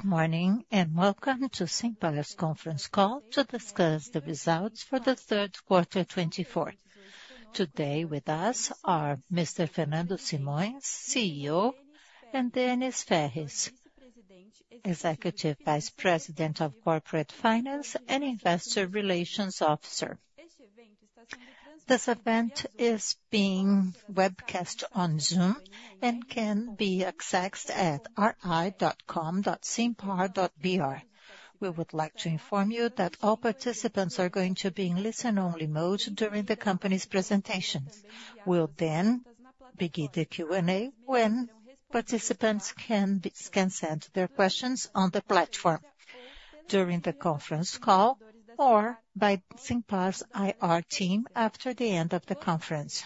Good morning and welcome to Simpar's conference call to discuss the results for 3Q24 today. With us are Mr. Fernando Simões, CEO, and Denys Ferrez, Executive Vice President of Corporate Finance and Investor Relations Officer. This event is being webcast on Zoom and can be accessed at ri.simpar.com.br. We would like to inform you that all participants are going to be in listen-only mode during the company's presentations. We'll then begin the Q&A when participants can send their questions on the platform during the conference call or by Simpar's IR team after the end of the conference.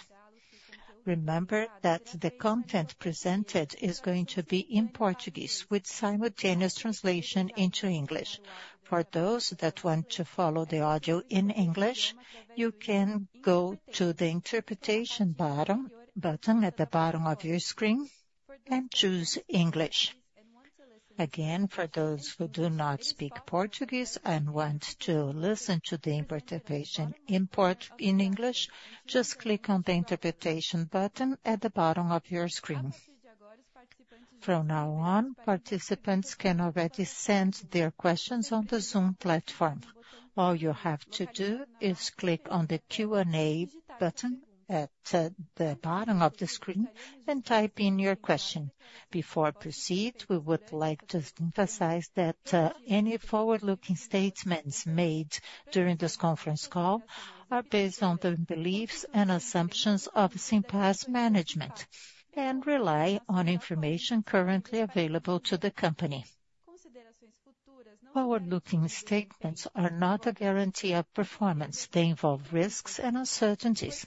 Remember that the content presented is going to be in Portuguese with simultaneous translation into English. For those that want to follow the audio in English, you can go to the Interpretation button at the bottom of your screen and choose English again. For those who do not speak Portuguese and want to listen to the interpretation in English, just click on the Interpretation button at the bottom of your screen. From now on, participants can already send their questions on the Zoom platform. All you have to do is click on the Q and A button at the bottom of the screen and type in your question. Before we proceed, we would like to emphasize that any forward-looking statements made during this conference call are based on the beliefs and assumptions of Simpar management and rely on information currently available to the company. Forward-looking statements are not a guarantee of performance. They involve risks and uncertainties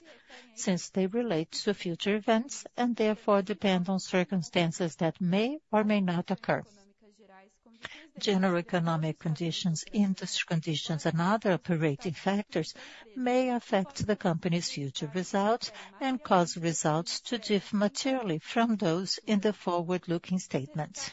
since they relate to future events and therefore depend on circumstances that may or may not occur. General economic conditions, industry conditions and other operating factors may affect the company's future results and cause results to differ materially from those in the forward-looking statements.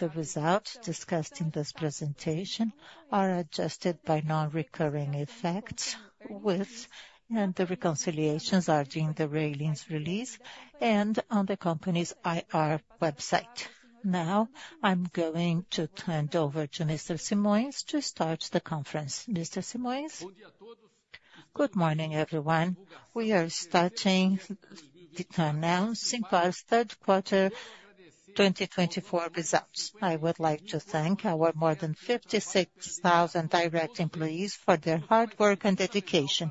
The results discussed in this presentation are adjusted by non-recurring effects and the reconciliations are during the earnings release and on the company's IR website. Now I'm going to turn over to Mr. Simões to start the conference. Mr. Simões. Good morning everyone. We are starting announcing our third quarter 2024 results. I would like to thank our more than 56,000 direct employees for their hard work and dedication.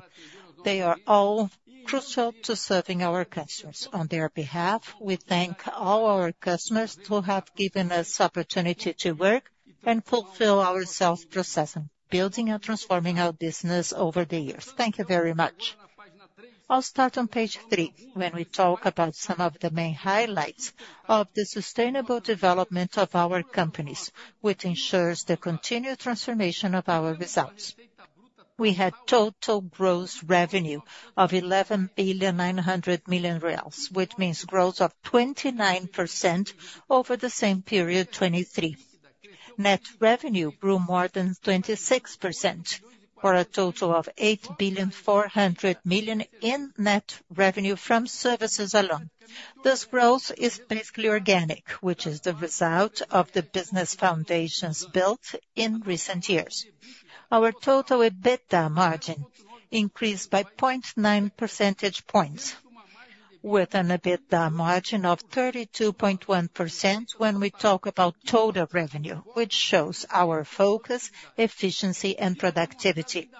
They are all crucial to serving our customers on their behalf. We thank all our customers who have given us opportunity to work and fulfill our sales process building and transforming our business over the years. Thank you very much. I'll start on page three when we talk about some of the main highlights of the sustainable development of our companies which ensures the continued transformation of our results. We had total gross revenue of 11.9 billion which means growth of 29%. Over the same period, net revenue grew more than 26% for a total of 8.4 billion in net revenue from services alone. This growth is basically organic, which is the result of the business foundations built in recent years. Our total EBITDA margin increased by 0.9 percentage points with an EBITDA margin of 32.1%. When we talk about total revenue, which shows our focus, efficiency and productivity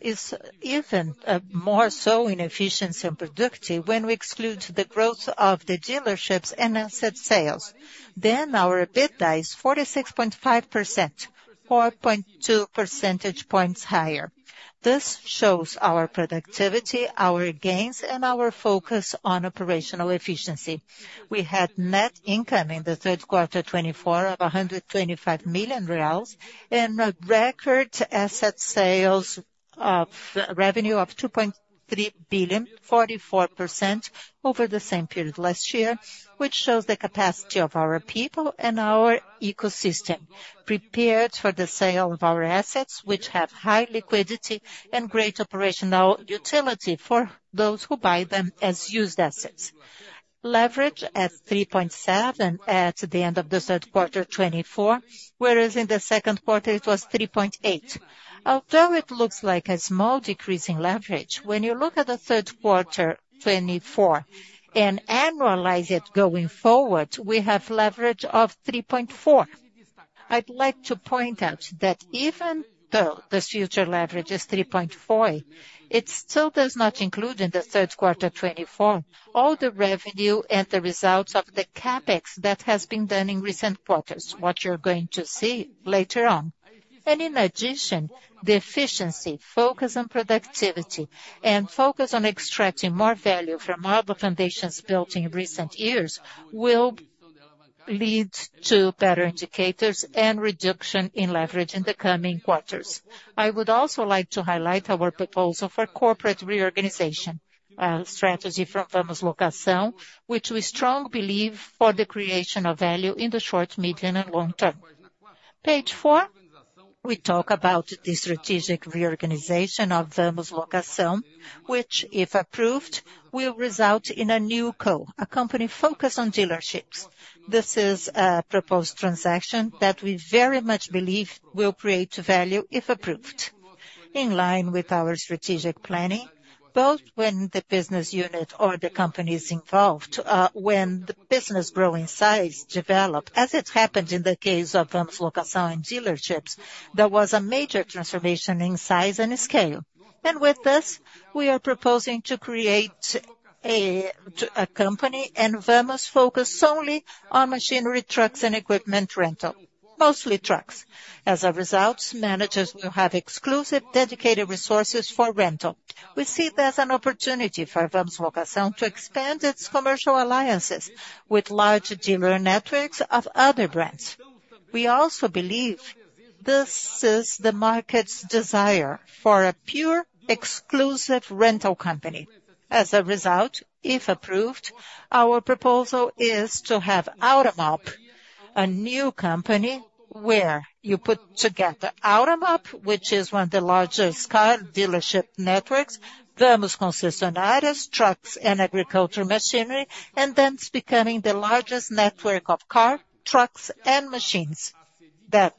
is even more so in efficiency and productivity. When we exclude the growth of the dealerships and asset sales, then our EBITDA is 46.5%, 4.2 percentage points higher. This shows our productivity, our gains and our focus on operational efficiency. We had net income in the third quarter 2024 of 125 million reais and record asset sales of revenue of 2.3 billion, 44% over the same period last year, which shows the capacity of our people and our ecosystem prepared for the sale of our assets which have high liquidity and great operational utility for those who buy them as used assets. Leverage at 3.7 at the end of the third quarter 2024, whereas in the second quarter it was 3.8. Although it looks like a small decrease in leverage when you look at 3Q24 and annualize it going forward, we have leverage of 3.4. I'd like to point out that even though the future leverage is 3.4, it still does not include in the third quarter 2024 all the revenue and the results of the CapEX that has been done in recent quarters. What you're going to see last year later on and in addition the efficiency, focus on productivity and focus on extracting more value from other foundations built in recent years will lead to better indicators and reduction in leverage in the coming quarters. I would also like to highlight our proposal for corporate reorganization strategy from Vamos Locação which we strongly believe for the creation of value in the short, medium and long term. Page 4 we talk about the strategic reorganization of Vamos Locação which if approved will result in a NewCo a company focused on dealerships. This is a proposed transaction that we very much believe will create value if approved in line with our strategic planning. Both when the business unit or the company is involved, when the business grow in size, develop as it happened in the case of Vamos Locação dealerships. There was a major transformation in size and scale, and with this we are proposing to create a company, and Vamos, focus solely on machinery, trucks and equipment rental, mostly trucks. As a result, managers will have exclusive dedicated resources for rental. We see it as an opportunity for Vamos Locação to expand its commercial alliances with large dealer networks of other brands. We also believe this is the market's desire for a pure exclusive rental company. As a result, if approved, our proposal is to have Automob, a new company where you put together Automob, which is one of the largest car dealership networks, the most consistent areas trucks and agriculture machinery, and thence becoming the largest network of car trucks and machines that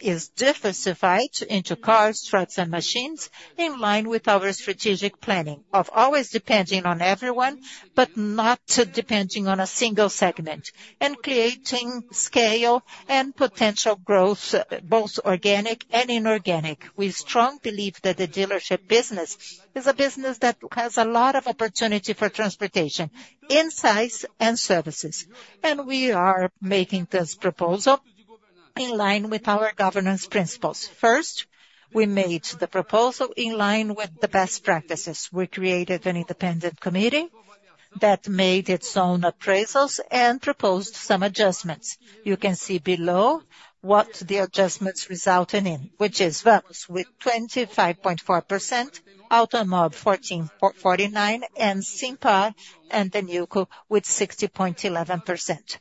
is diversified into cars, trucks and machines. In line with our strategic planning of always depending on everyone, but not depending on a single segment and creating scale and potential growth both organic and inorganic. We strongly believe that the dealership business is a business that has a lot of opportunity for transportation insights and services. And we are making this proposal in line with our governance principles. First, we made the proposal in line with the best practices. We created an independent committee that made its own appraisals and proposed some adjustments. You can see below what the adjustments resulted in, which is with 25.4% Automob 14.49% and Simpar and the NewCo with 60.11%.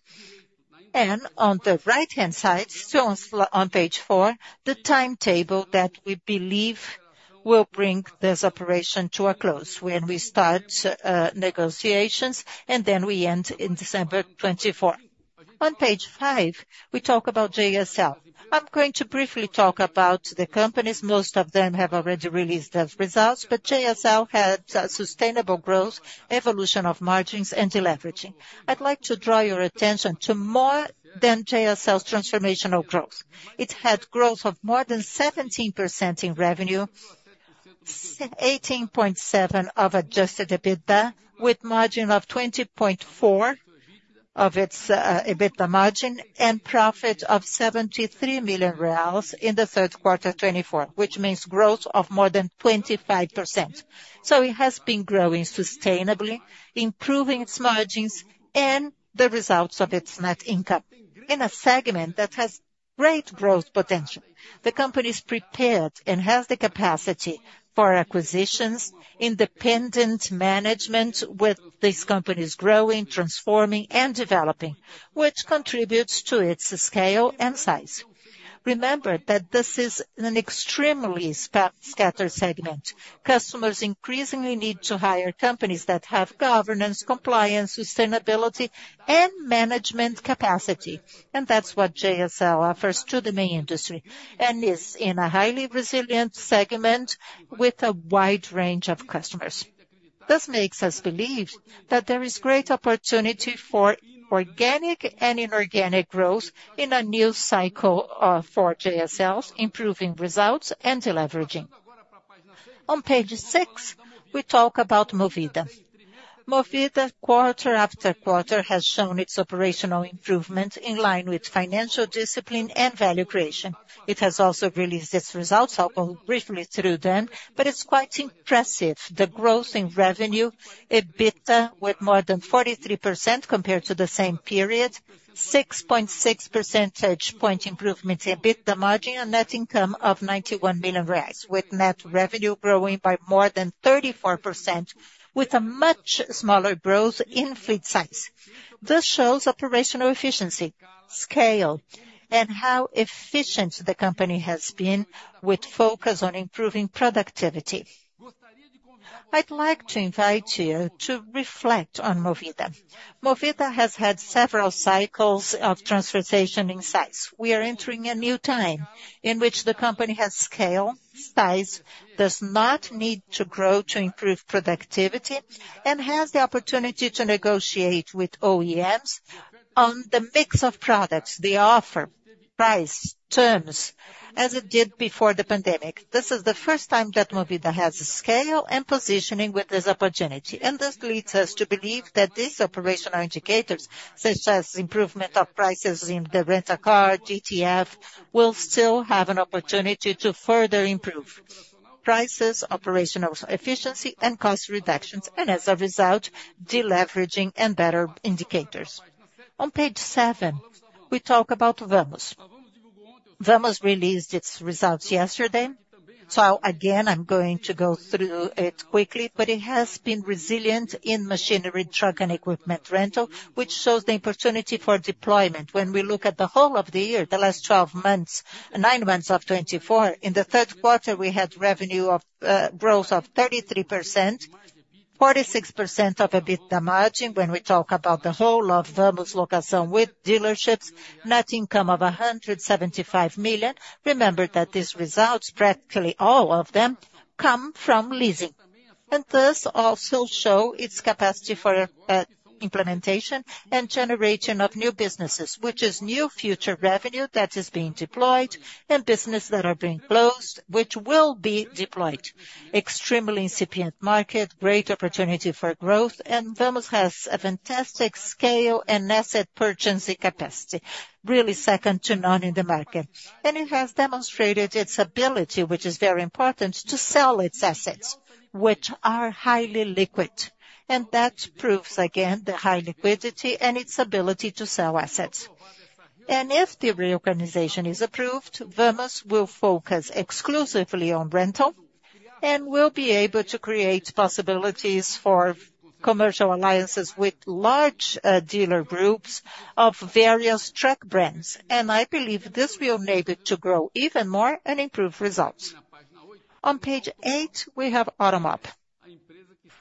And on the right hand side, still on page four, the timetable that we believe will bring this operation to a close. When we start negotiations and then we end in December, 2024. On page five we talk about JSL. I'm going to briefly talk about the companies. Most of them have already released those results. JSL had sustainable growth. Evolution of margins and deleveraging. I'd like to draw your attention to more than JSL's transformational growth. It had growth of more than 17% in revenue, 18.7% Adjusted EBITDA with margin of 20.4% of its EBITDA margin and profit of 73 million reais in 3Q24, which means growth of more than 25%. It has been growing sustainably, improving its margins and the results of its net income. In a segment that has great growth potential. The company is prepared and has the capacity for acquisitions, independent management. With these companies growing, transforming and developing, which contributes to its scale and size. Remember that this is an extremely scattered segment. Customers increasingly need to hire companies that have governance, compliance, sustainability and management capacity. And that's what JSL offers to the main industry and is in a highly resilient segment with a wide range of customers. This makes us believe that there is great opportunity for organic and inorganic growth in a new cycle for JSL. Improving results and deleveraging. On page six we talk about Movida. Movida quarter after quarter has shown its operational improvement in line with financial discipline and value creation. It has also released its results. I'll go briefly through them, but it's quite impressive. The growth in revenue EBITDA with more than 43% compared to the same period, 6.6 percentage point improvement EBITDA margin and net income of BRL 91 million with net revenue growing by more than 34% with a much smaller growth in fleet size. This shows operational efficiency, scale and how efficient the company has been with focus on improving productivity. I'd like to invite you to reflect on Movida. Movida has had several cycles of transportation in size. We are entering a new time in which the company has scale size, does not need to grow to improve productivity and has the opportunity to negotiate with OEMs on the mix of products. They offer price terms as it did before the pandemic. This is the first time that Movida has scale and positioning with this opportunity. This leads us to believe that these operational indicators, such as improvement of prices in the Rent-a-Car, GTF will still have an opportunity to further improve prices, operational efficiency and cost reductions. As a result, deleveraging and better indicators. On page seven we talk about Vamos. Vamos released its results yesterday. So again I'm going to go through it quickly, but it has been resilient in machinery, truck and equipment rental, which shows the opportunity for deployment. When we look at the whole of the year, the last 12 months, nine months of 2024 in the third quarter we had revenue growth of 33%, 46% EBITDA margin. When we talk about the whole of Vamos Locação with dealerships, net income of 175 million. Remember that these results, practically all of them come from leasing and thus also show its capacity for implementation and generation of new businesses, which is new future revenue that is being deployed and business that are being closed, which will be deployed. Extremely incipient market, great opportunity for growth. And Vamos has a fantastic scale and asset purchasing capacity, really second to none in the market. It has demonstrated its ability, which is very important, to sell its assets, which are highly liquid. That proves again the high liquidity and its ability to sell assets. If the reorganization is approved, Vamos will focus exclusively on rental and will be able to create possibilities for commercial alliances with large dealer groups of various truck brands. I believe this will enable to grow even more and improve results. On page eight we have Automob,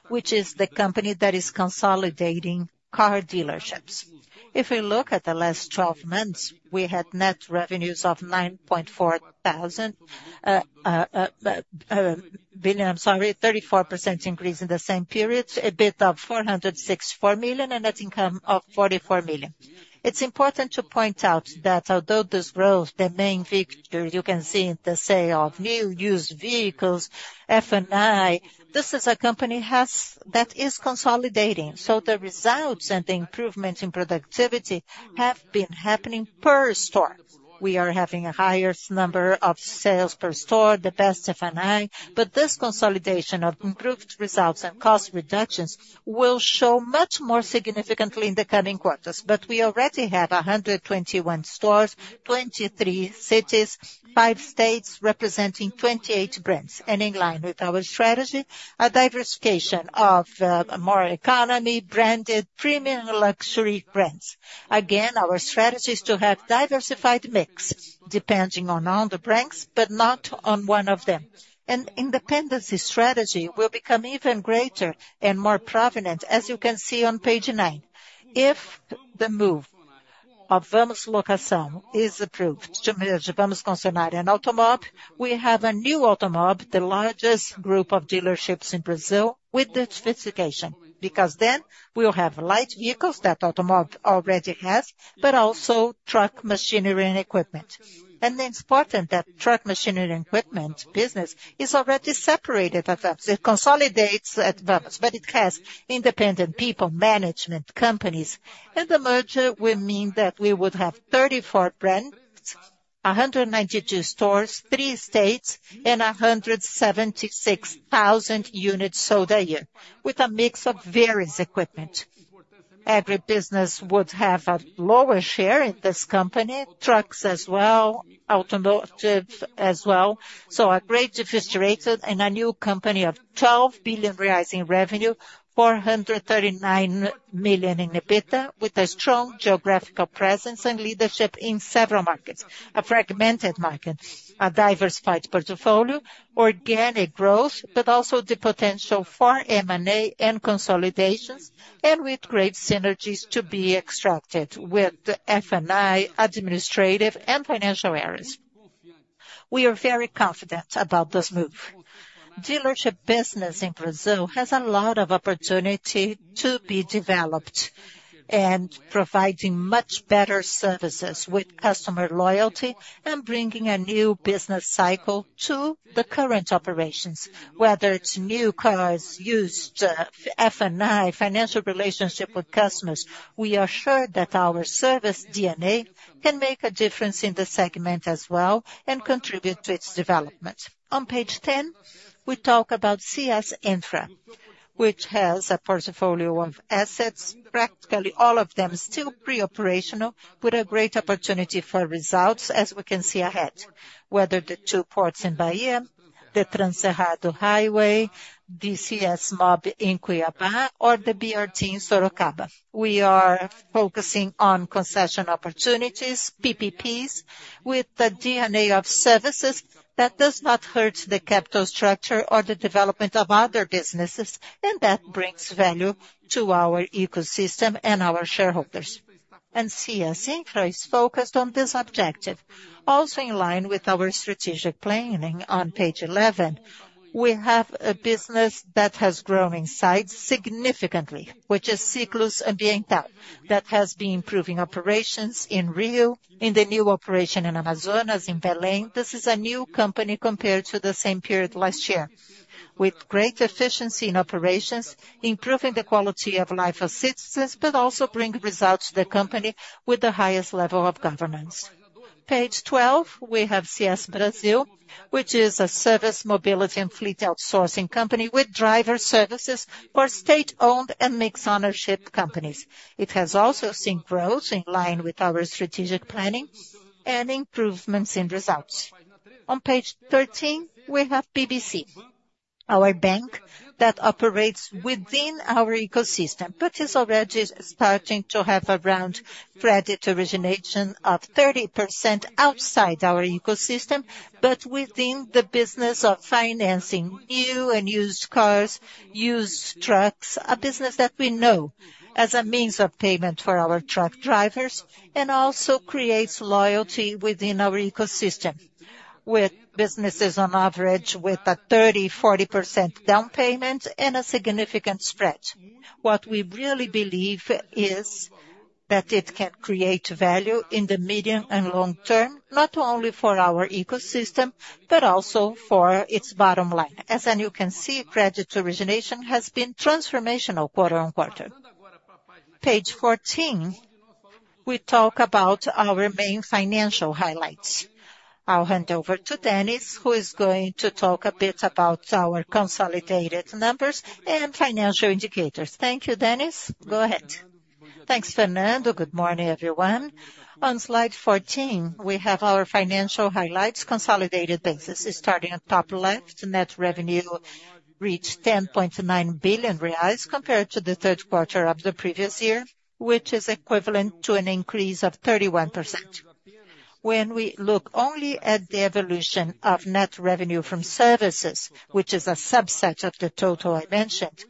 which is the company that is consolidating car dealerships. If we look at the last 12 months, we had net revenues of 9.4 billion. I'm sorry, 34% increase in the same period, EBITDA of 464 million and net income of 44 million. It's important to point out that although this growth, the main figure you can see in the sale of new used vehicles, F&I, this is a company that is consolidating. So the results and the improvements in productivity have been happening per store. We are having a higher number of sales per store, the best F&I. But this consolidation of improved results and cost reductions will show much more significantly in the coming quarters. But we already have 121 stores, 23 cities, five states, representing 28 brands. And in line with our strategy, a diversification of more economy, branded, premium, luxury brands. Again, our strategy is to have diversified mix depending on all the brands, but not on one of them. An independence strategy will become even greater and more prevalent. As you can see on page nine, if the merger of Vamos Locação with Automob is approved, we have a new Automob, the largest group of dealerships in Brazil. With the sophistication because then we'll have light vehicles that Automob already has, but also truck, machinery and equipment. And it's important that truck, machinery and equipment business is already separated. It consolidates at Vamos, but it has independent people management companies. And the merger would mean that we would have 34 brands, 192 stores, three states and 176,000 units sold a year with a mix of various equipment. Agribusiness would have a lower share in this company. Trucks as well, automotive as well. So a great defensive position and a new company with R$ 12 billion revenue, R$ 439 million in EBITDA. With a strong geographical presence and leadership in several markets, a fragmented market, a diversified portfolio, organic growth, but also the potential for M&A and consolidations and with great synergies to be extracted with F&I, administrative and financial efficiencies. We are very confident about this move. Dealership business in Brazil has a lot of opportunity to be developed and providing much better services with customer loyalty and bringing a new business cycle to the current operations. Whether it's new cars, used, F&I, financial relationship with customers. We are sure that our service-based DNA can make a difference in the segment as well and contribute to its development. On page 10, we talk about CS Infra, which has a portfolio of assets, practically all of them still pre-operational with a great opportunity for results as we can see ahead. Whether the two ports in Bahia, the Transcerrados Highway, the CS Mobi in Cuiabá or the BRT in Sorocaba, we are focusing on concession opportunities, PPPs with the DNA of services that does not hurt the capital structure or the development of other businesses and that brings value to our ecosystem and our shareholders. CS Infra is focused on this objective, also in line with our strategic planning. On page 11 we have a business that has grown in size significantly, which is Ciclus Ambiental, that has been improving operations in Rio. In the new operation in Amazonas, as in Belém. This is a new company compared to the same period last year, with great efficiency in operations, improving the quality of life of citizens, but also bring results to the company with the highest level of governance. Page 12, we have CS Brasil, which is a service, mobility and fleet outsourcing company with driver services for state-owned and mixed-ownership companies. It has also seen growth in line with our strategic planning and improvements in results. On page 13, we have BBC, our bank that operates within our ecosystem, but is already starting to have around credit origination of 30% outside our ecosystem, but within the business of financing new and used cars, used trucks. A business that we know as a means of payment for our truck drivers and also creates loyalty within our ecosystem. With businesses on average with a 30%-40% down payment and a significant spread. What we really believe is that it can create value in the medium and long term, not only for our ecosystem, but also for its bottom line. As you can see, credit origination has been transformational quarter on quarter. On page 14 we talk about our main financial highlights. I'll hand over to Denys who is going to talk a bit about our consolidated numbers and financial indicators. Thank you. Denys, go ahead. Thanks, Fernando. Good morning everyone. On slide 14 we have our financial highlights. Consolidated basis starting at top left, net revenue reached 10.9 billion reais compared to the third quarter of the previous year, which is equivalent to an increase of 31%. When we look only at the evolution of net revenue from services, which is a subset of the total I mentioned,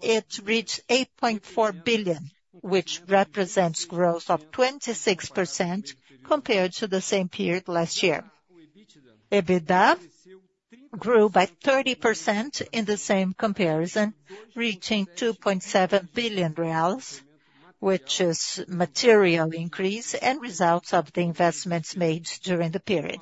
it reached 8.4 billion, which represents growth of 26% compared to the same period last year. EBITDA grew by 30% in the same comparison, reaching 2.7 billion reais, which is material increase and result of the investments made during the period.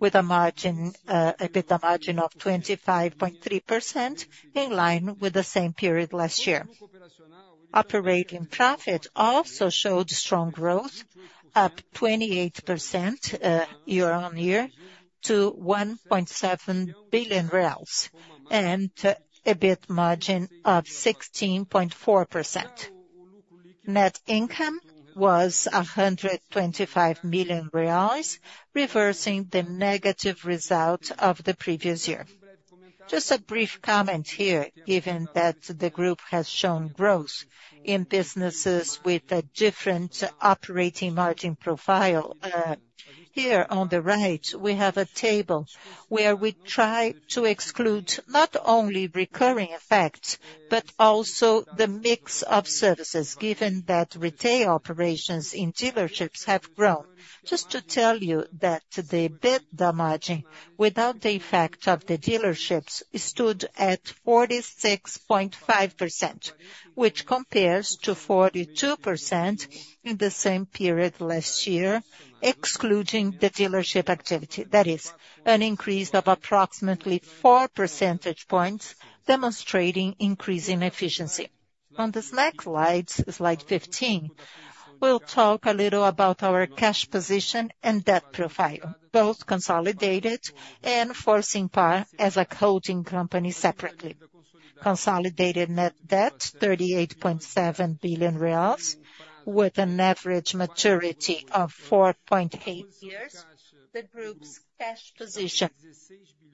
With an EBITDA margin of 25.3% in line with the same period last year. Operating profit also showed strong growth, up 28% year-on-year to 1.7 billion reais and EBIT margin of 16.4%. Net income was 125 million reais, reversing the negative result of the previous year. Just a brief comment here, given that the group has shown growth in businesses with a different operating margin profile. Here on the right we have a table where we try to exclude not only recurring effects but also the mix of services, given that retail operations in dealerships have grown. Just to tell you that the EBITDA margin without the effect of the dealerships stood at 46.5%, which compares to 42% in the same period last year. Excluding the dealership activity, that is an increase of approximately 44 percentage points, demonstrating increasing efficiency. On this next slide, Slide 15, we'll talk a little about our cash position and debt profile, both consolidated and for Simpar as a holding company. Separately consolidated net debt 38.7 billion reais with an average maturity of 4.8 years. The group's cash position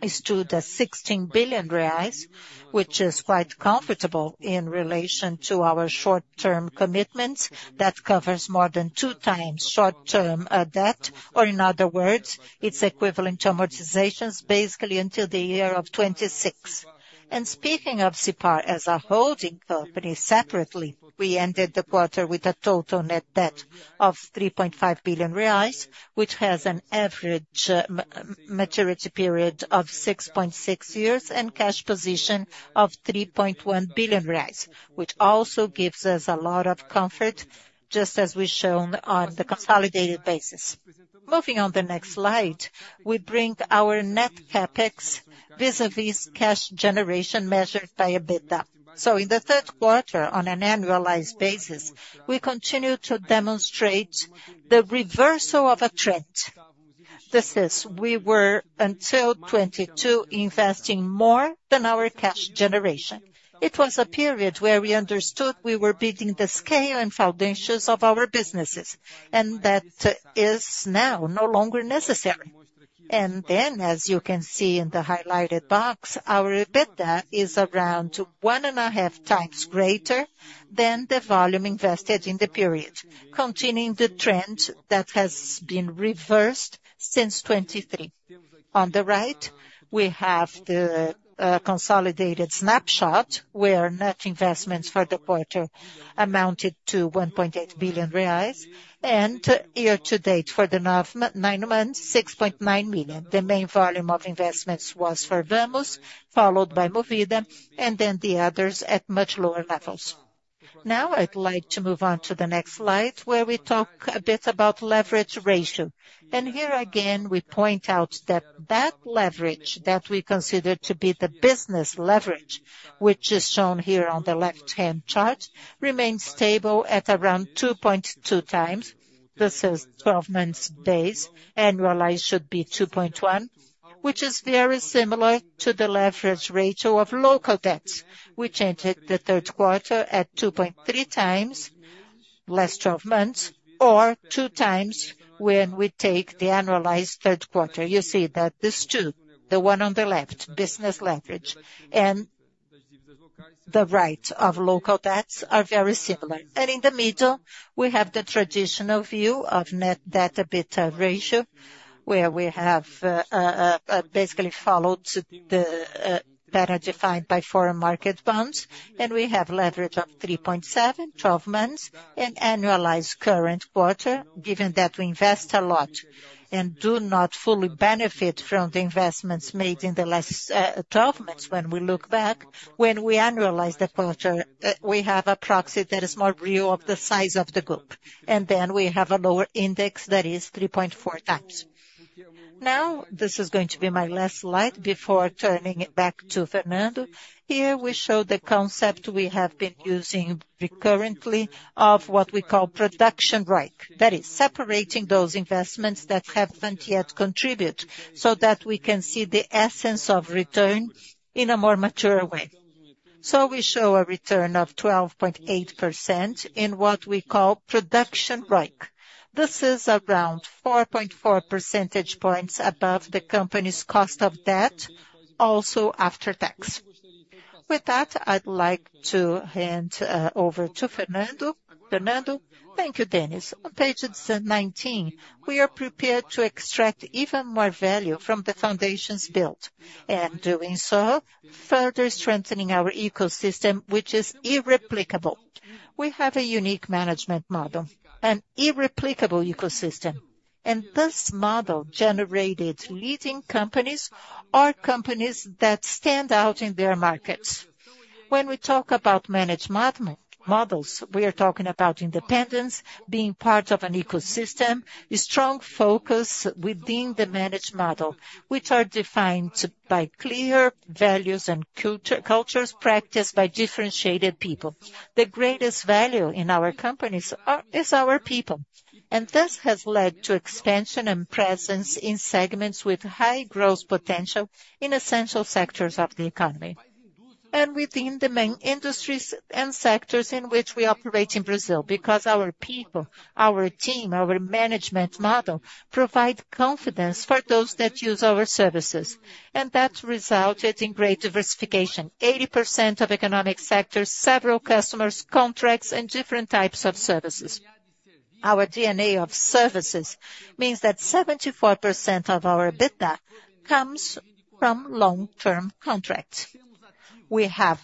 stood at 16 billion reais, which is quite comfortable in relation to our short term commitments. That covers more than two times short term debt or in other words its equivalent to amortizations basically until the year 2026. And speaking of Simpar as a holding company, separately we ended the quarter with a total net debt of 3.5 billion reais, which has an average maturity period of 6.6 years and cash position of 3.1 billion, which also gives us a lot of comfort, just as we shown on the consolidated basis. Moving on the next slide, we bring our net CapEX vis-à-vis cash generation measured by EBITDA. So in the third quarter on an annualized basis, we continue to demonstrate the reversal of a trend. This is, we were until 2022 investing more than our cash generation. It was a period where we understood we were building the scale and foundations of our businesses and that is now no longer necessary, and then as you can see in the highlighted box, our EBITDA is around one and a half times greater than the volume invested in the period, continuing the trend that has been reversed since 2023. On the right we have the consolidated snapshot where net investments for the quarter amounted to 1.8 billion reais and year to date for the nine months 6.9 million. The main volume of investments was for Vamos, followed by Movida and then the others at much lower levels. Now I'd like to move on to the next slide where we talk a bit about leverage ratio and here again we point out that that leverage that we consider to be the business leverage which is shown here on the left hand chart, remains stable at around 2.2x. This is 12 months. Base annualized should be 2.1, which is very similar to the leverage ratio of local debts which entered the third quarter at 2.3x, last 12 months or 2x. When we take the annualized third quarter, you see that these two, the one on the left, business leverage and the right of local debts are very similar. In the middle we have the traditional view of net debt EBITDA ratio, where we have basically followed the data defined by foreign market bonds and we have leverage of 3.7x 12 months and annualized current quarter. Given that we invest a lot and do not fully benefit from the investments made in the last 12 months, when we look back, when we annualize the quarter, we have a proxy that is more real of the size of the group and then we have a lower index, that is 3.4x. Now this is going to be my last slide before turning it back to Fernando. Here we show the concept we have been using recurrently of what we call production ROIC. That is separating those investments that haven't yet contribute so that we can see the essence of return in a more mature way. We show a return of 12.8% in what we call Production ROIC. This is around 4.4x points above the company's cost of debt, also after tax. With that I'd like to hand over to Fernando. Fernando. Thank you, Denys. On page 19, we are prepared to extract even more value from the foundations built. And doing so further strengthening our ecosystem which is irreplicable. We have a unique management model, an irreplicable ecosystem. And this model generated leading companies or companies that stand out in their markets. When we talk about managed models, we are talking about independence, being part of an ecosystem, strong focus within the managed model, which are defined by clear values and cultures practiced by differentiated people. The greatest value in our companies is our people. This has led to expansion and presence in segments with high growth potential, in essential sectors of the economy and within the main industries and sectors in which we operate in Brazil. Because our people, our team, our management model provide confidence for those that use our services and that resulted in great diversification. 80% of economic sectors, several customers contracts and different types of services. Our DNA of services means that 74% of our EBITDA comes from long term contracts. We have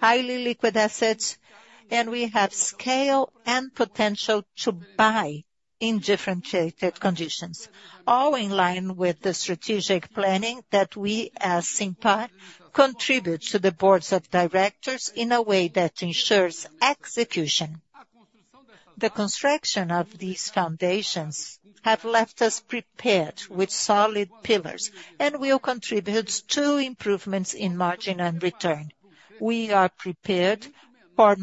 highly liquid assets and we have scale and potential to buy in differentiated conditions, all in line with the strategic planning that we as Simpar contribute to the boards of Directors in a way that ensures execution. The construction of these foundations have left us prepared with solid pillars and will contribute to improvements in margin and return. We are prepared for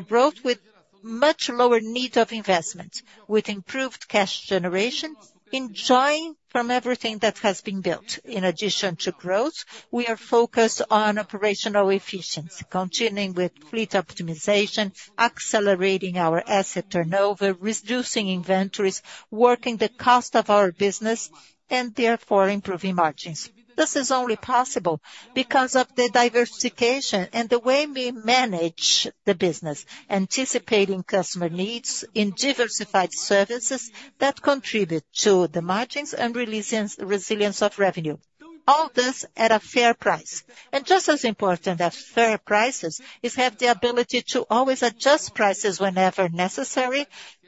growth with much lower need of investment with improved cash generation, enjoying from everything that has been built. In addition to growth, we are focused on operational efficiency, continuing with fleet optimization, accelerating our asset turnover, reducing inventories, working the cost of our business and therefore improving margins. This is only possible because of the diversification and the way we manage the business, anticipating customer needs in diversified services that contribute to the margins and resilience in all lines of revenue. All this at a fair price and just as important as fair prices is have the ability to always adjust prices whenever necessary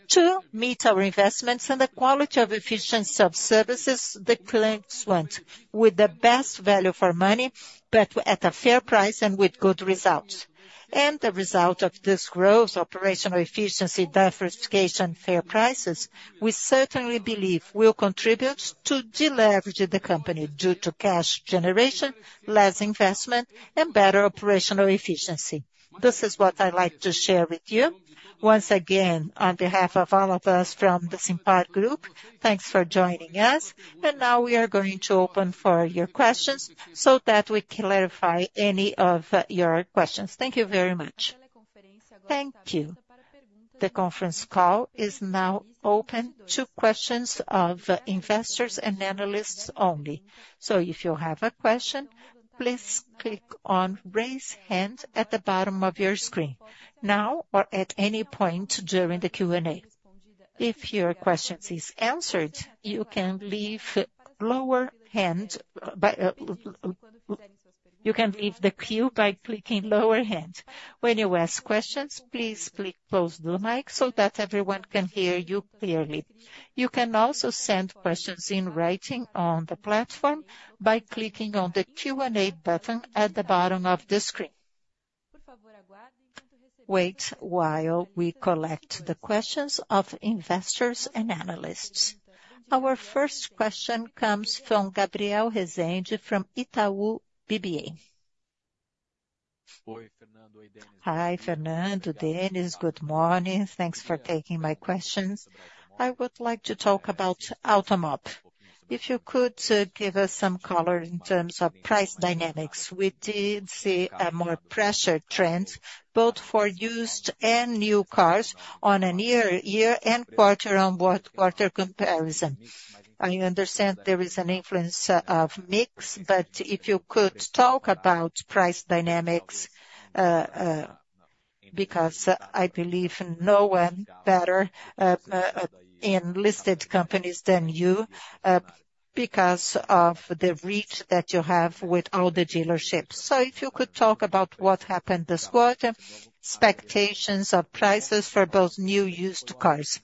to meet our investments and the quality of efficiency of services the clients want with the best value for money, but at a fair price and with good results. And the result of this growth, operational efficiency, diversification. Fair prices we certainly believe will contribute to deleveraging the company due to cash generation, less investment and better operational efficiency. This is what I'd like to share with you once again. On behalf of all of us from the Simpar Group, thanks for joining us. And now we are going to open for your questions so that we clarify any of your questions. Thank you very much. Thank you. The conference call is now open to questions of investors and analysts only. So if you have a question, please click on Raise hand at the bottom of your screen now or at any point during the Q&A. If your question is answered, you can leave lower hand. You can leave the queue by clicking lower hand. When you ask questions, please click close the mic so that everyone can hear you clearly. You can also send questions in writing on the platform by clicking on the Q&A button at the bottom of the screen. Wait while we collect the questions of investors and analysts. Our first question comes from Gabriel Rezende from Itaú BBA. Hi, Fernando, Denys, good morning. Thanks for taking my questions. I would like to talk about Automob if you could give us some color in terms of price dynamics. We did see a more pressured trend both for used and new cars on a year-on-year and quarter-on-quarter. On what quarter-on-quarter comparison. I understand there is an influence of mix, but if you could talk about price dynamics because I believe no one better in listed companies than you because of the reach that you have with all the dealerships. So if you could talk about what happened this quarter, expectations of prices for both new used cars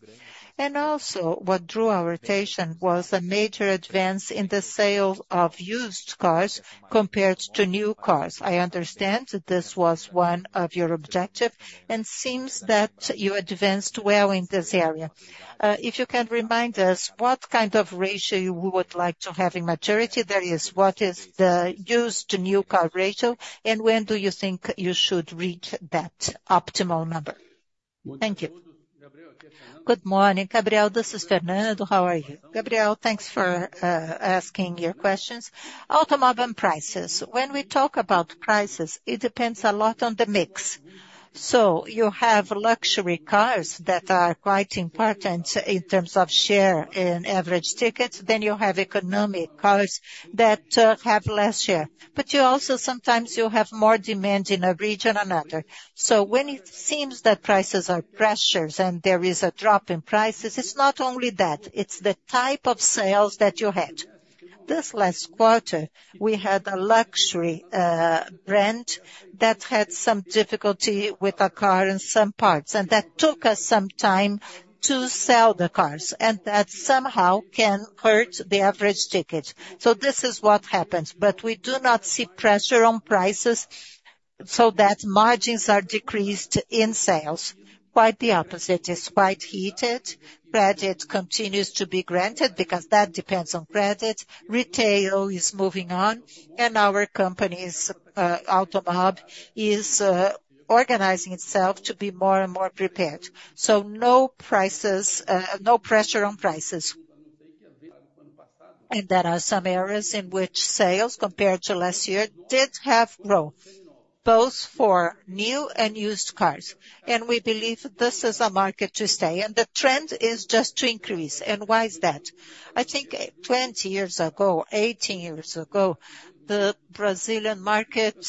and also what drew our attention was a major advance in the sale of used cars compared to new cars. I understand this was one of your objective and seems that you advanced well in this area. If you can remind us what kind of ratio you would like to have in maturity, that is, what is the used new car ratio and when do you think you should reach that optimal number? Thank you. Good morning, Gabriel. This is Fernando. How are you? Gabriel, Thanks for asking your questions. Automob prices. When we talk about prices, it depends a lot on the mix. So you have luxury cars that are quite important in terms of share in average tickets. Then you have economic cars that have less share, but you also sometimes have more demand in a region. So when it seems that prices are pressured and there is a drop in prices, it's not only that, it's the type of sales that you had. This last quarter we had a luxury brand that had some difficulty with a car in some parts, and that took us some time to sell the cars, and that somehow can hurt the average ticket, so this is what happens, but we do not see pressure on prices so that margins are decreased in sales. Quite the opposite is quite heated. Credit continues to be granted, because that depends on credit. Retail is moving on, and our company Automob is organizing itself to be more and more prepared, so no prices, no pressure on prices. And there are some areas in which sales, compared to last year, did have growth, both for new and used cars. And we believe this is a market to stay and the trend is just to increase. And why is that? I think 20 years ago, 18 years ago, the Brazilian market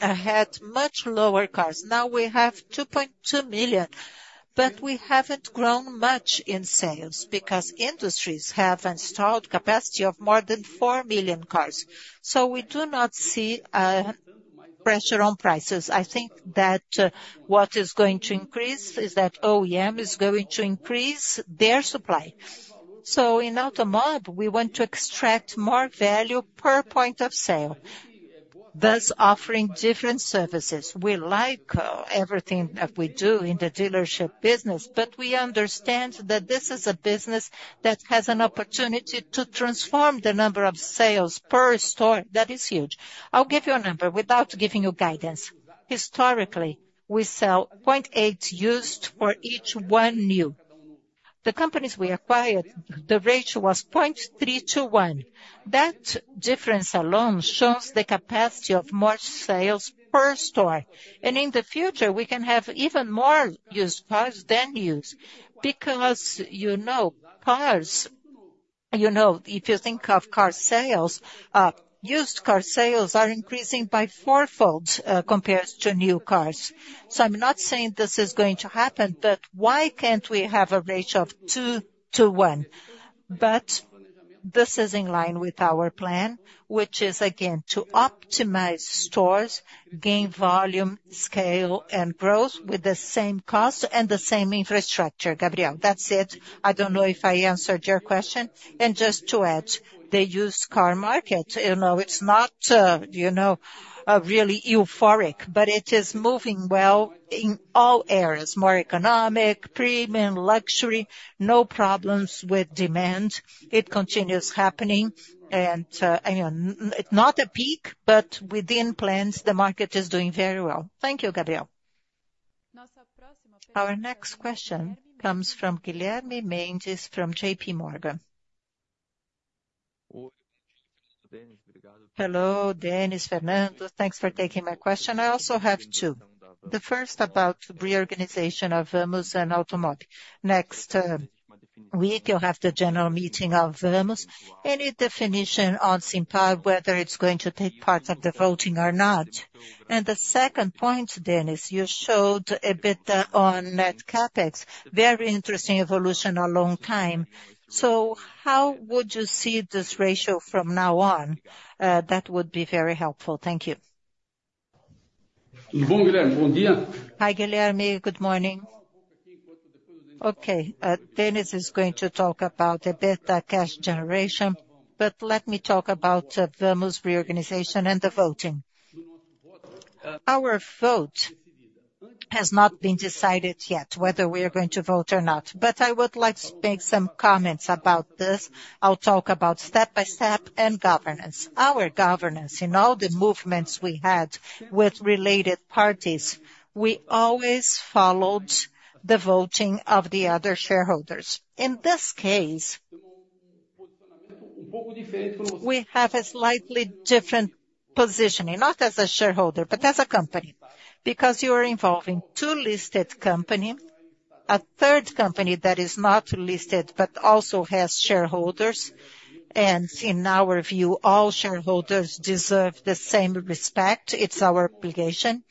had much lower cars. Now we have 2.2 million, but we haven't grown much in sales because industries have installed capacity of more than 54 million cars. So we do not see pressure on prices. I think that what is going to increase is that OEM is going to increase their supply. So in Automob, we want to extract more value per point of sale, thus offering different services. We like everything that we do in the dealership business. But we understand that this is a business that has an opportunity to transform the number of sales per store. That is huge. I'll give you a number without giving you guidance. Historically we sell 0.8 used for each one new. The companies we acquired, the ratio was 0.321. That difference alone shows the capacity of more sales per store. And in the future we can have even more used cars than new. Because, you know, cars, you know, if you think of car sales, used car sales are increasing by fourfold compared to new cars. So I'm not saying this is going to happen, but why can't we have a ratio of 2:1? But this is in line with our plan, which is again, to optimize stores, gain volume, scale and growth with the same cost and the same infrastructure. Gabriel, that's it. I don't know if I answered your question. And just to add, the used car market, you know, it's not, you know, really euphoric, but it is moving well in all areas. More economic, premium, luxury, no problems with demand. It continues happening and it's not a peak, but within plans, the market is doing very well. Thank you, Gabriel. Our next question comes from Guilherme Mendes from J.P. Morgan. Hello, Denys. Fernando, thanks for taking my question. I also have two. The first, about reorganization of Vamos and Automob. Next week you'll have the general meeting of Vamos. Any definition on Simpar, whether it's going to take parts of the voting or not. And the second point, Denys, you showed a bit on net CapEX. Very interesting evolution a long time. So how would you see this ratio from now on? That would be very helpful, thank you. Hi, Guilherme. Good morning. Okay, Denys is going to talk about the better cash generation. But let me talk about Vamos' reorganization and the voting. Our vote has not been decided yet whether we are going to vote or not. But I would like to make some comments about this. I'll talk about step by step and governance, our governance. In all the movements we had with related parties, we always followed the voting of the other shareholders. In this case we have a slightly different positioning, not as a shareholder, but as a company. Because you are involving two listed companies, a third company that is not listed but also has shareholders. And in our view, all shareholders deserve the same respect. It's our obligation.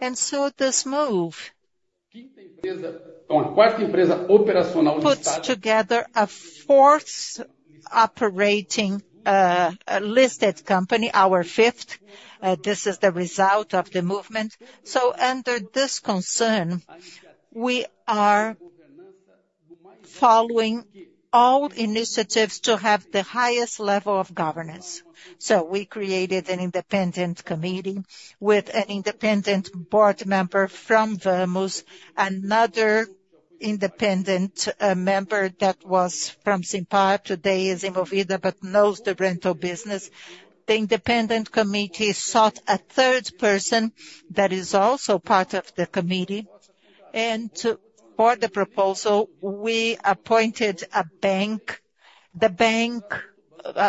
And so this move puts together a fourth operating listed company, our fifth. This is the result of the movement. So under this concern we are following all initiatives to have the highest level of governance. So we created an independent committee with an independent board member from Vamos. Another independent member that was from Simpar, today is Movida, but knows the rental business. The independent committee sought a third person that is also part of the committee. And for the proposal we appointed a bank. The bank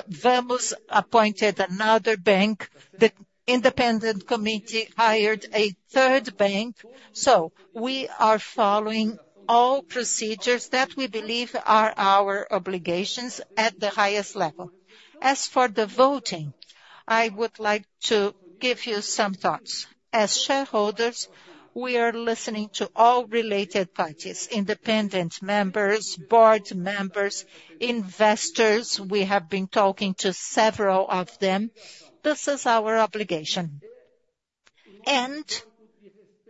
Vamos appointed another bank. The independent committee hired a third bank. So we are following all procedures that we believe are our obligations at the highest level. As for the voting, I would like to give you some thoughts. As shareholders, we are listening to all related parties: independent members, board members, investors. We have been talking to several of them. This is our obligation and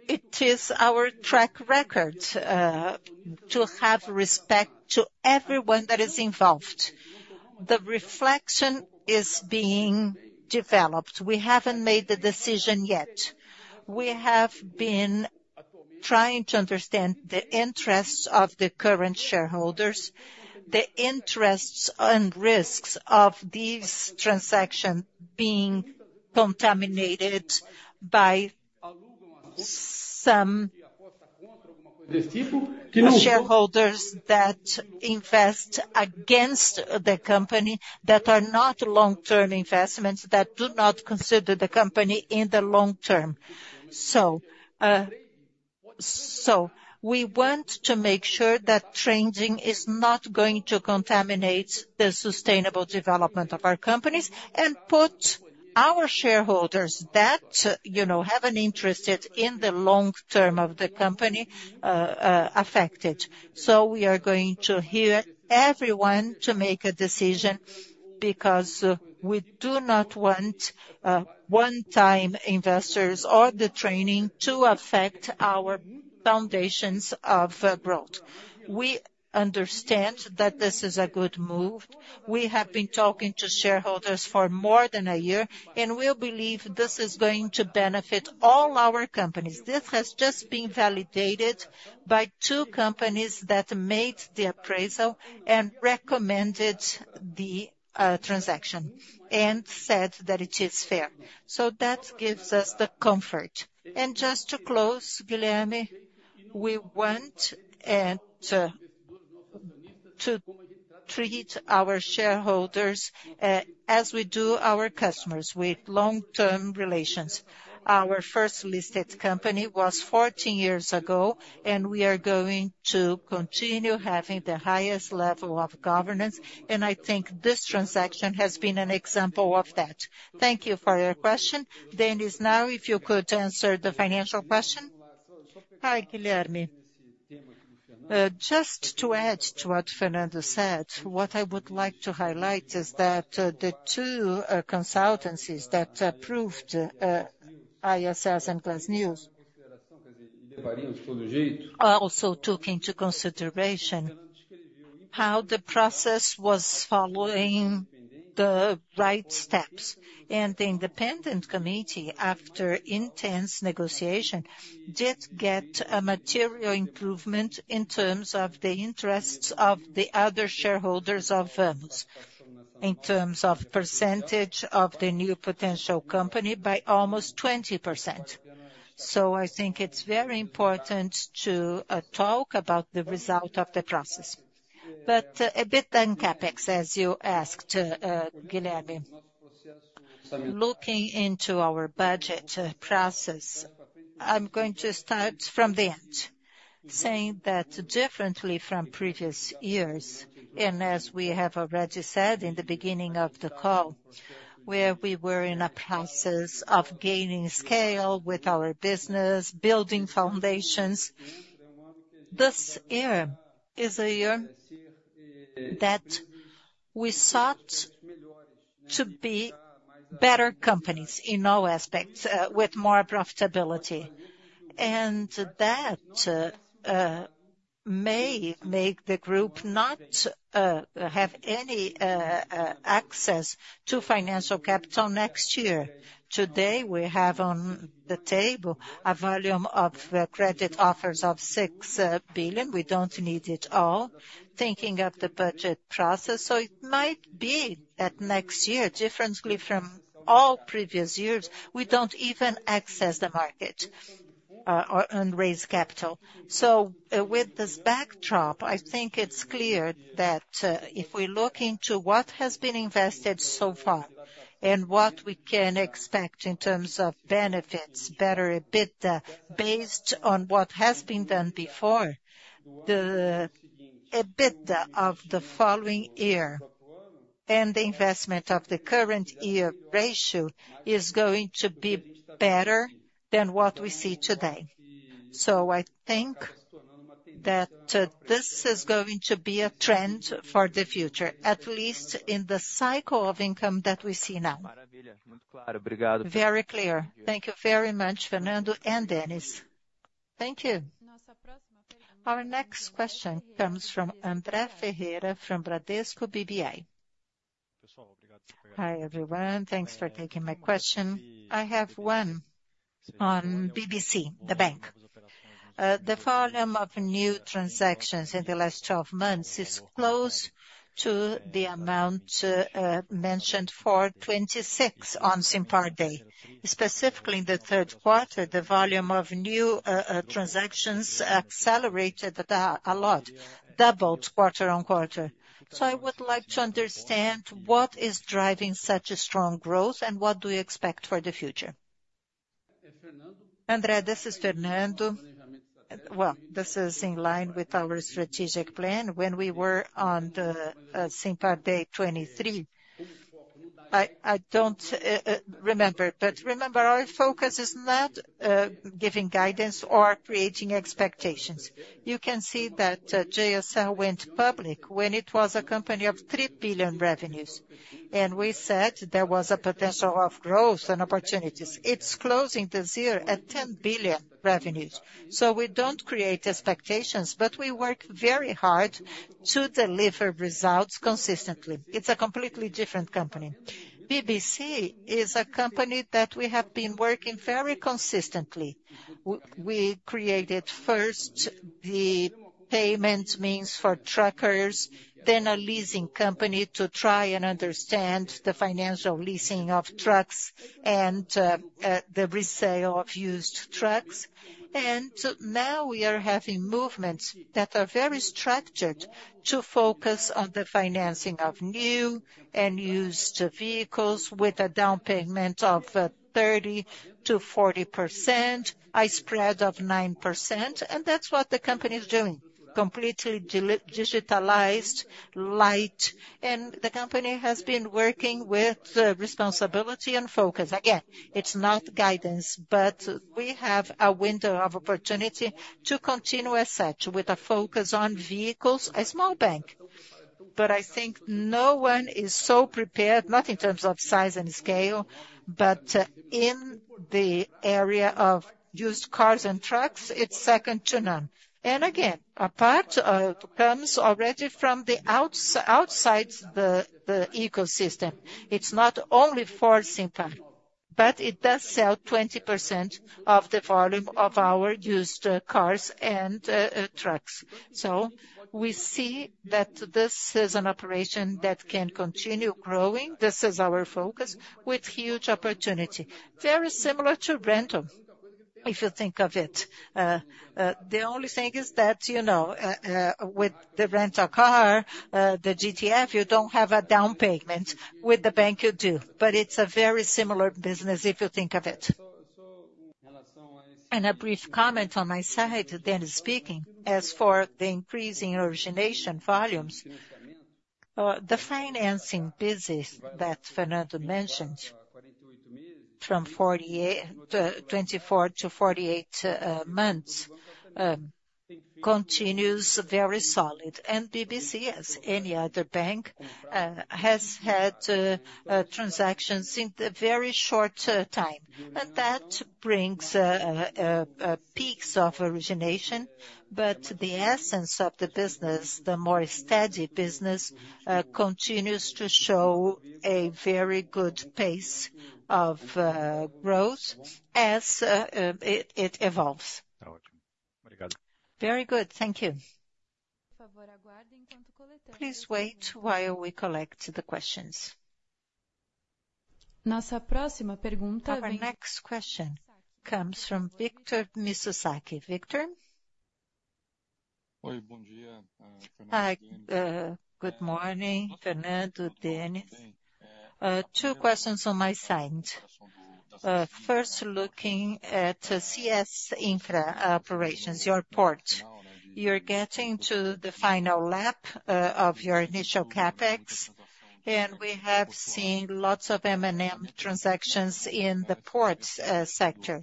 it is our track record to have respect to everyone that is involved. The reflection is being developed. We haven't made the decision yet. We have been trying to understand the interests of the current shareholders, the interests and risks of these transactions being contaminated by some shareholders that invest against the company that are not long term investments, that do not consider the company in the long term. So we want to make sure that trading is not going to contaminate the sustainable development of our companies and put our shareholders that, you know, have an interest in the long term of the company affected. So we are going to hear everyone to make a decision because we do not want one time investors or the trading to affect our business. Foundations of growth. We understand that this is a good move. We have been talking to shareholders for more than a year and we believe this is going to benefit all our companies. This has just been validated by two companies that made the appraisal and recommended the transaction and said that it is fair. So that gives us the comfort. And just to close, Guilherme, we want to treat our shareholders as we do our customers with long term relations. Our first listed company was 14 years ago and we are going to continue having the highest level of governance and I think this transaction has been an example of that. Thank you for your question, Denys. Now if you could answer the financial question. Hi, Guilherme. Just to add to what Fernando said, what I would like to highlight is that the two consultancies that approved ISS and Glass Lewis also took into consideration how the process was following the right steps, and the independent committee, after intense negotiation, did get a material improvement in terms of the interests of the other shareholders of Vamos in terms of percentage of the new potential company by almost 20%. I think it's very important to talk about the result of the process, but a bit on CapEX, as you asked Guilherme, looking into our budget process, I'm going to start from the end saying that differently from previous years and as we have already said in the beginning of the call, where we were in a process of gaining scale with our business, building foundations. This year is a year that we sought to be better companies in all aspects with more profitability and that may make the group not have any access to financial capital next year. Today we have on the table a volume of credit offers of 6 billion. We don't need it all thinking of the budget process. So it might be that next year differently from all previous years. We don't even access the market and raise capital. So with this backdrop, I think it's clear that if we look into what has been invested so far and what we can expect in terms of benefits, better EBITDA based on what has been done before, the EBITDA of the following year and the investment of the current year ratio is going to be better than what we see today. So I think that this is going to be a trend for the future, at least in the summer cycle of income that we see now. Very clear. Thank you very much, Fernando and Denys, thank you. Our next question comes from André Ferreira from Bradesco BBI. Hi everyone, thanks for taking my question. I have one on BBC the bank. The volume of new transactions in the last 12 months is close to the amount mentioned for 2026 on Simpar Day. Specifically in the third quarter, the volume of new transactions accelerated a lot, doubled quarter on quarter. So I would like to understand what is driving such a strong growth and what do you expect for the future? André, this is Fernando. This is in line with our strategic plan when we were on the Simpar Day 2023. I don't remember, but remember our focus is not giving guidance or creating expectations. You can see that JSL went public when it was a company of three billion revenues and we said there was a potential of growth and opportunity. It's closing this year at 10 billion revenues, so we don't create expectations, but we work very hard to deliver results consistently. It's a completely different company. BBC is a company that we have been working very consistently. We created first the payment means for truckers, then a leasing company to try and understand the financial leasing of trucks and the resale of used trucks. Now we are having movements that are very structured to focus on the financing of new and used vehicles with a down payment of 30%-40%, a spread of 9%. That's what the company is doing. Completely digitalized light. The company has been working with responsibility and focus. Again, it's not guidance, but we have a window of opportunity to continue as such with a focus on vehicles. A small bank, but I think no one is so prepared, not in terms of size and scale, but in the area of used cars and trucks it's second to none. Again apart comes already from the outside, outside the ecosystem. It's not only for Simpar, but it does sell 20% of the volume of our used cars and trucks. So we see that this is an operation that can continue growing. This is our focus with huge opportunity, very similar to rent-a-car if you think of it. The only thing is that, you know, with the rental car, the GTF you don't have a down payment. With the bank you do. But it's a very similar business if you think of it. And a brief comment on my side, then speaking as for the increasing origination volumes, the financing business that Fernando mentioned from 24 to 48 months continues very solid. And BBC as any other bank has had transactions in a very short time and that brings peaks of origination. But the essence of the business, the more steady business continues to show a very good pace of growth as it evolves. Very good. Thank you. Please wait while we collect the questions. Our next question comes from Mizusaki. Victor? hi, good morning. Fernando. Denys, two questions on my side. First, looking at CS Infra operations, your port, you're getting to the final lap of your initial CapEX and we have seen lots of M&A transactions in the port sector.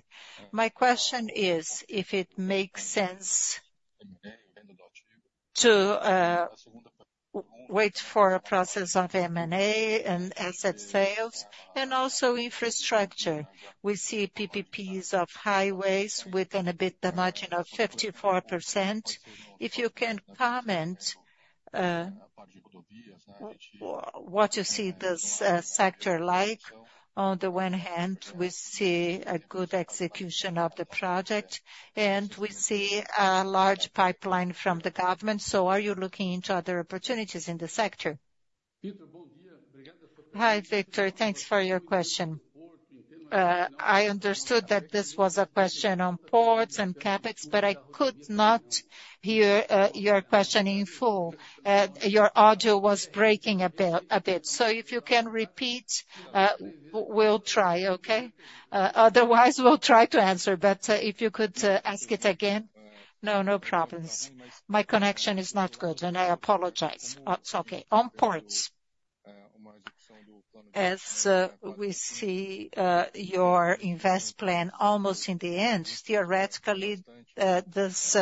My question is if it makes sense to wait for a process of M&A and asset sales and also infrastructure. We see PPPs of highways with an EBITDA margin of 54%. If you can comment what you see this sector like. On the one hand, we see a good execution of the project and we see a large pipeline from the government. So are you looking into other opportunities in the sector? Hi Victor, thanks for your question. I understood that this was a question on ports and CapEX, but I could not hear your question in full. Your audio was breaking a bit, so if you can repeat, we'll try. Okay. Otherwise we'll try to answer. But if you could ask it again. No, no problems. My connection is not good and I apologize. It's okay. On ports, as we see your investment plan almost in the end, theoretically, this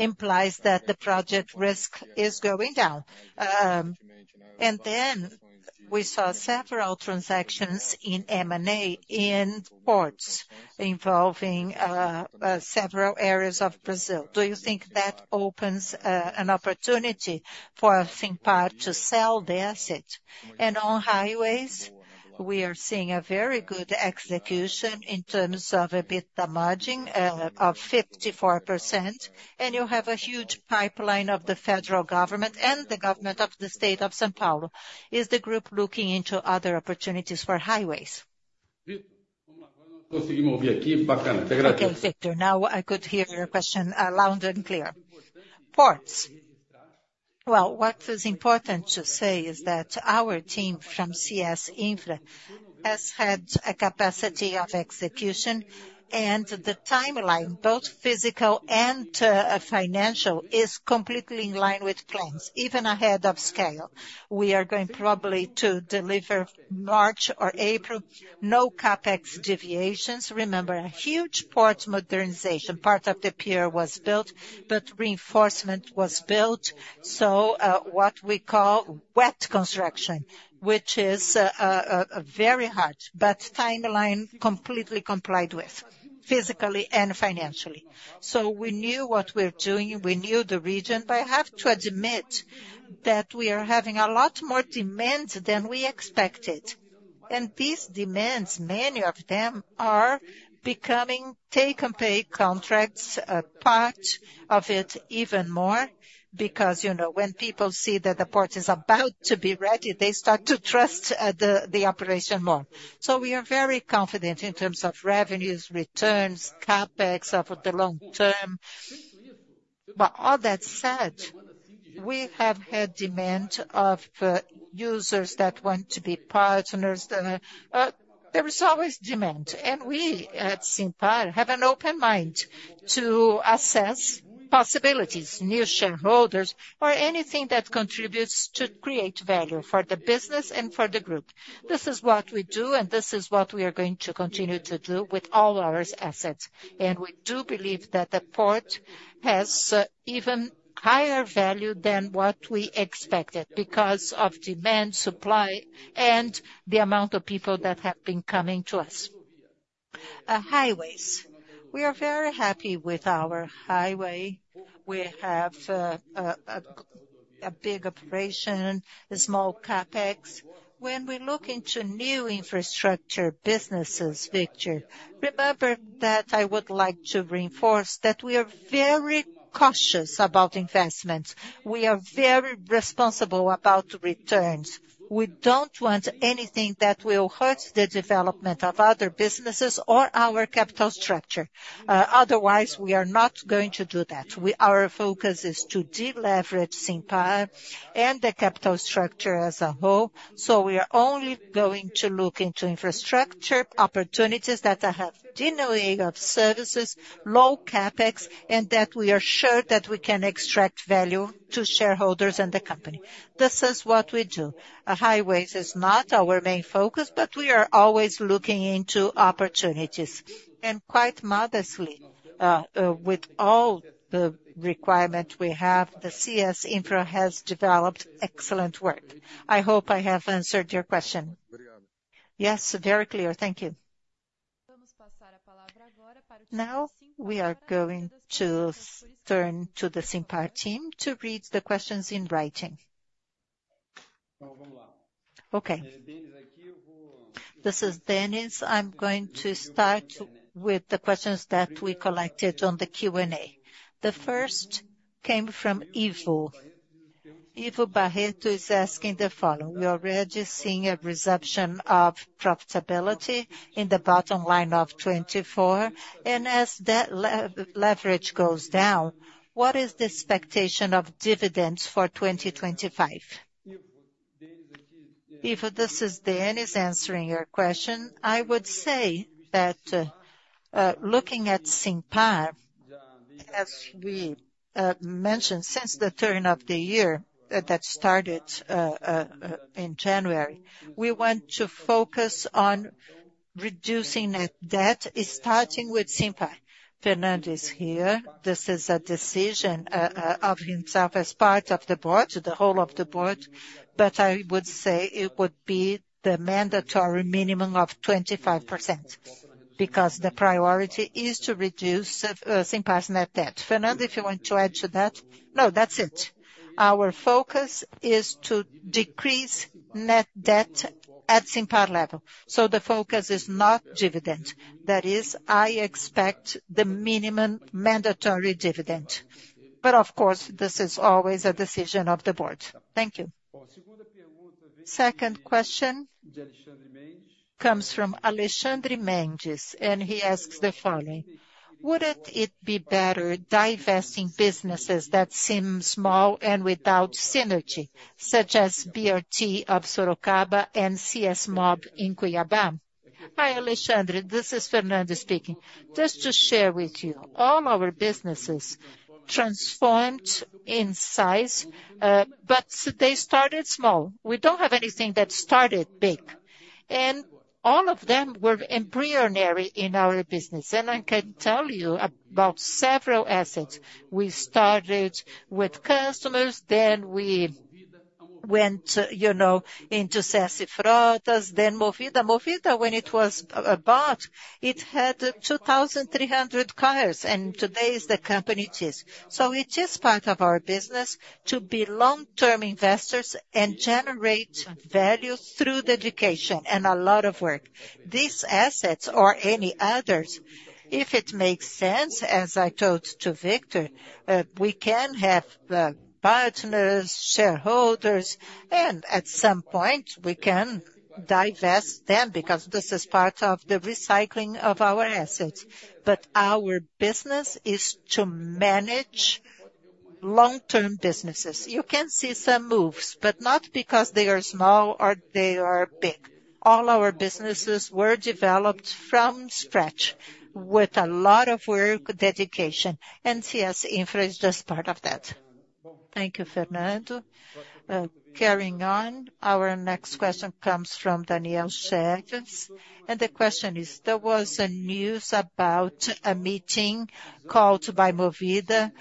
implies that the project risk is going down. And then we saw several transactions in M&A in ports involving several areas of Brazil. Do you think that opens an opportunity for CS Infra to sell the asset? And on highways we are seeing a very good execution in terms of EBITDA margin of 54%. And you have a huge pipeline of the federal government and the government of the state of São Paulo. Is the group looking into other opportunities for highways? Okay, Victor, now I could hear your question loud and clear. Ports. What is important to say is that our team from CS Infra has had a capacity of execution and the timeline, both physical and financial, is completely in line with plans even ahead of scale. We are going probably to deliver March or April no CapEX deviations. Remember a huge port modernization. Part of the pier was built, but reinforcement was built. So what we call wet construction which is very hard but timeline completely complied with physically and financially. So we knew what we're doing, we knew the region. But I have to admit that we are having a lot more demand than we expected and these demands, many of them are becoming take-or-pay contracts part of it even more because you know, when people see that the port is about to be ready they start to trust the operation more. So we are very confident in terms of revenues, returns CapEX are for the long term. But all that said, we have had demand of users that want to be partners. There is always demand and we at Simpar have an open mind to assess possibilities, new shareholders or anything that contributes to create value for the business and for the group. This is what we do and this is what we are going to continue to do with all our assets. And we do believe that the port has even higher value than what we expected because of demand, supply and the amount of people that have been coming to us highways. We are very happy with our highway. We have a big operation, a small CapEX when we look into new infrastructure businesses Victor. Remember that I would like to reinforce that we are very cautious about investment. We are very responsible about returns. We don't want anything that will hurt the development of other businesses or our capital structure. Otherwise we are not going to do that. Our focus is to deleverage Simpar and the capital structure as a whole. So we are only going to look into infrastructure opportunities that are happening in the area of services low CapEX and that we are sure that we can extract value to shareholders and the company. This is what we do. Highways is not our main focus but we are always looking into opportunities and quite modestly, with all the requirements we have the CS Infra has developed excellent work. I hope I have answered your question. Yes, very clear. Thank you. Now we are going to turn to the Simpar team to read the questions in writing. Okay, this is Denys. I'm going to start with the questions that we collected on the Q&A. The first came from email. Ivo Barreto is asking the following. We are already seeing a resumption of profitability in the bottom line of 2024 and as debt leverage goes down what is the expectation of dividends for 2025? If this is Denys answering your question, I would say that looking at Simpar as we mentioned, since the turn of the year that started in January we want to focus on reducing net debt. Starting with Simpar, Fernando here. This is a decision of the firm as part of the board, the whole of the board. But I would say it would be the mandatory minimum of 25% because the priority is to reduce Simpar's net debt. Fernando, if you want to add to that. No, that's it. Our focus is to decrease net debt at Simpar level, so the focus is not dividend. That is, I expect the minimum mandatory dividend, but of course this is always a decision of the board. Thank you. Second question comes from Alexandre Mendes and he asks the following. Wouldn't it be better divesting businesses that seem small and without synergy, such as BRT of Sorocaba and CS Mobi in Cuiabá? Hi, Alexandre, this is Fernando speaking. Just to share with you. All our businesses transformed in size, but they started small. We don't have anything that started big, and all of them were in our business, and I can tell you about several assets. We started with customers, then we went, you know, into CS Frotas, then Movida. Movida, when it was bought it had 2,300 cars, and today the company is. It is part of our business to be long-term investors and generate value through education and a lot of work. These assets or any others, if it makes sense, as I told to Victor, we can have partners, shareholders and at some point we can divest them because this is part of the recycling of our assets. But our business is to manage long-term businesses. You can see some moves, but not because they are small or they are big. All our businesses were developed from scratch with a lot of work, dedication. And yes, Infra is just part of that. Thank you, Fernando. Carrying on. Our next question comes from Daniel Schafer. And the question is there was a news about a meeting called by Movida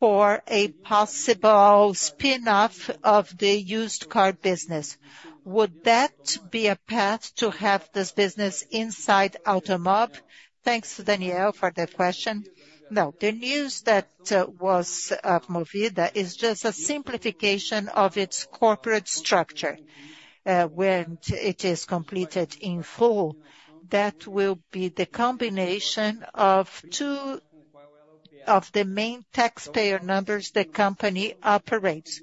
for a possible spin-off of the used car business. Would that be a path to have this business inside Automob? Thanks, Daniel, for the question. No, the news that was of Movida is just a simplification of its corporate structure. When it is completed in full, that will be the combination of two of the main taxpayer numbers the company operates.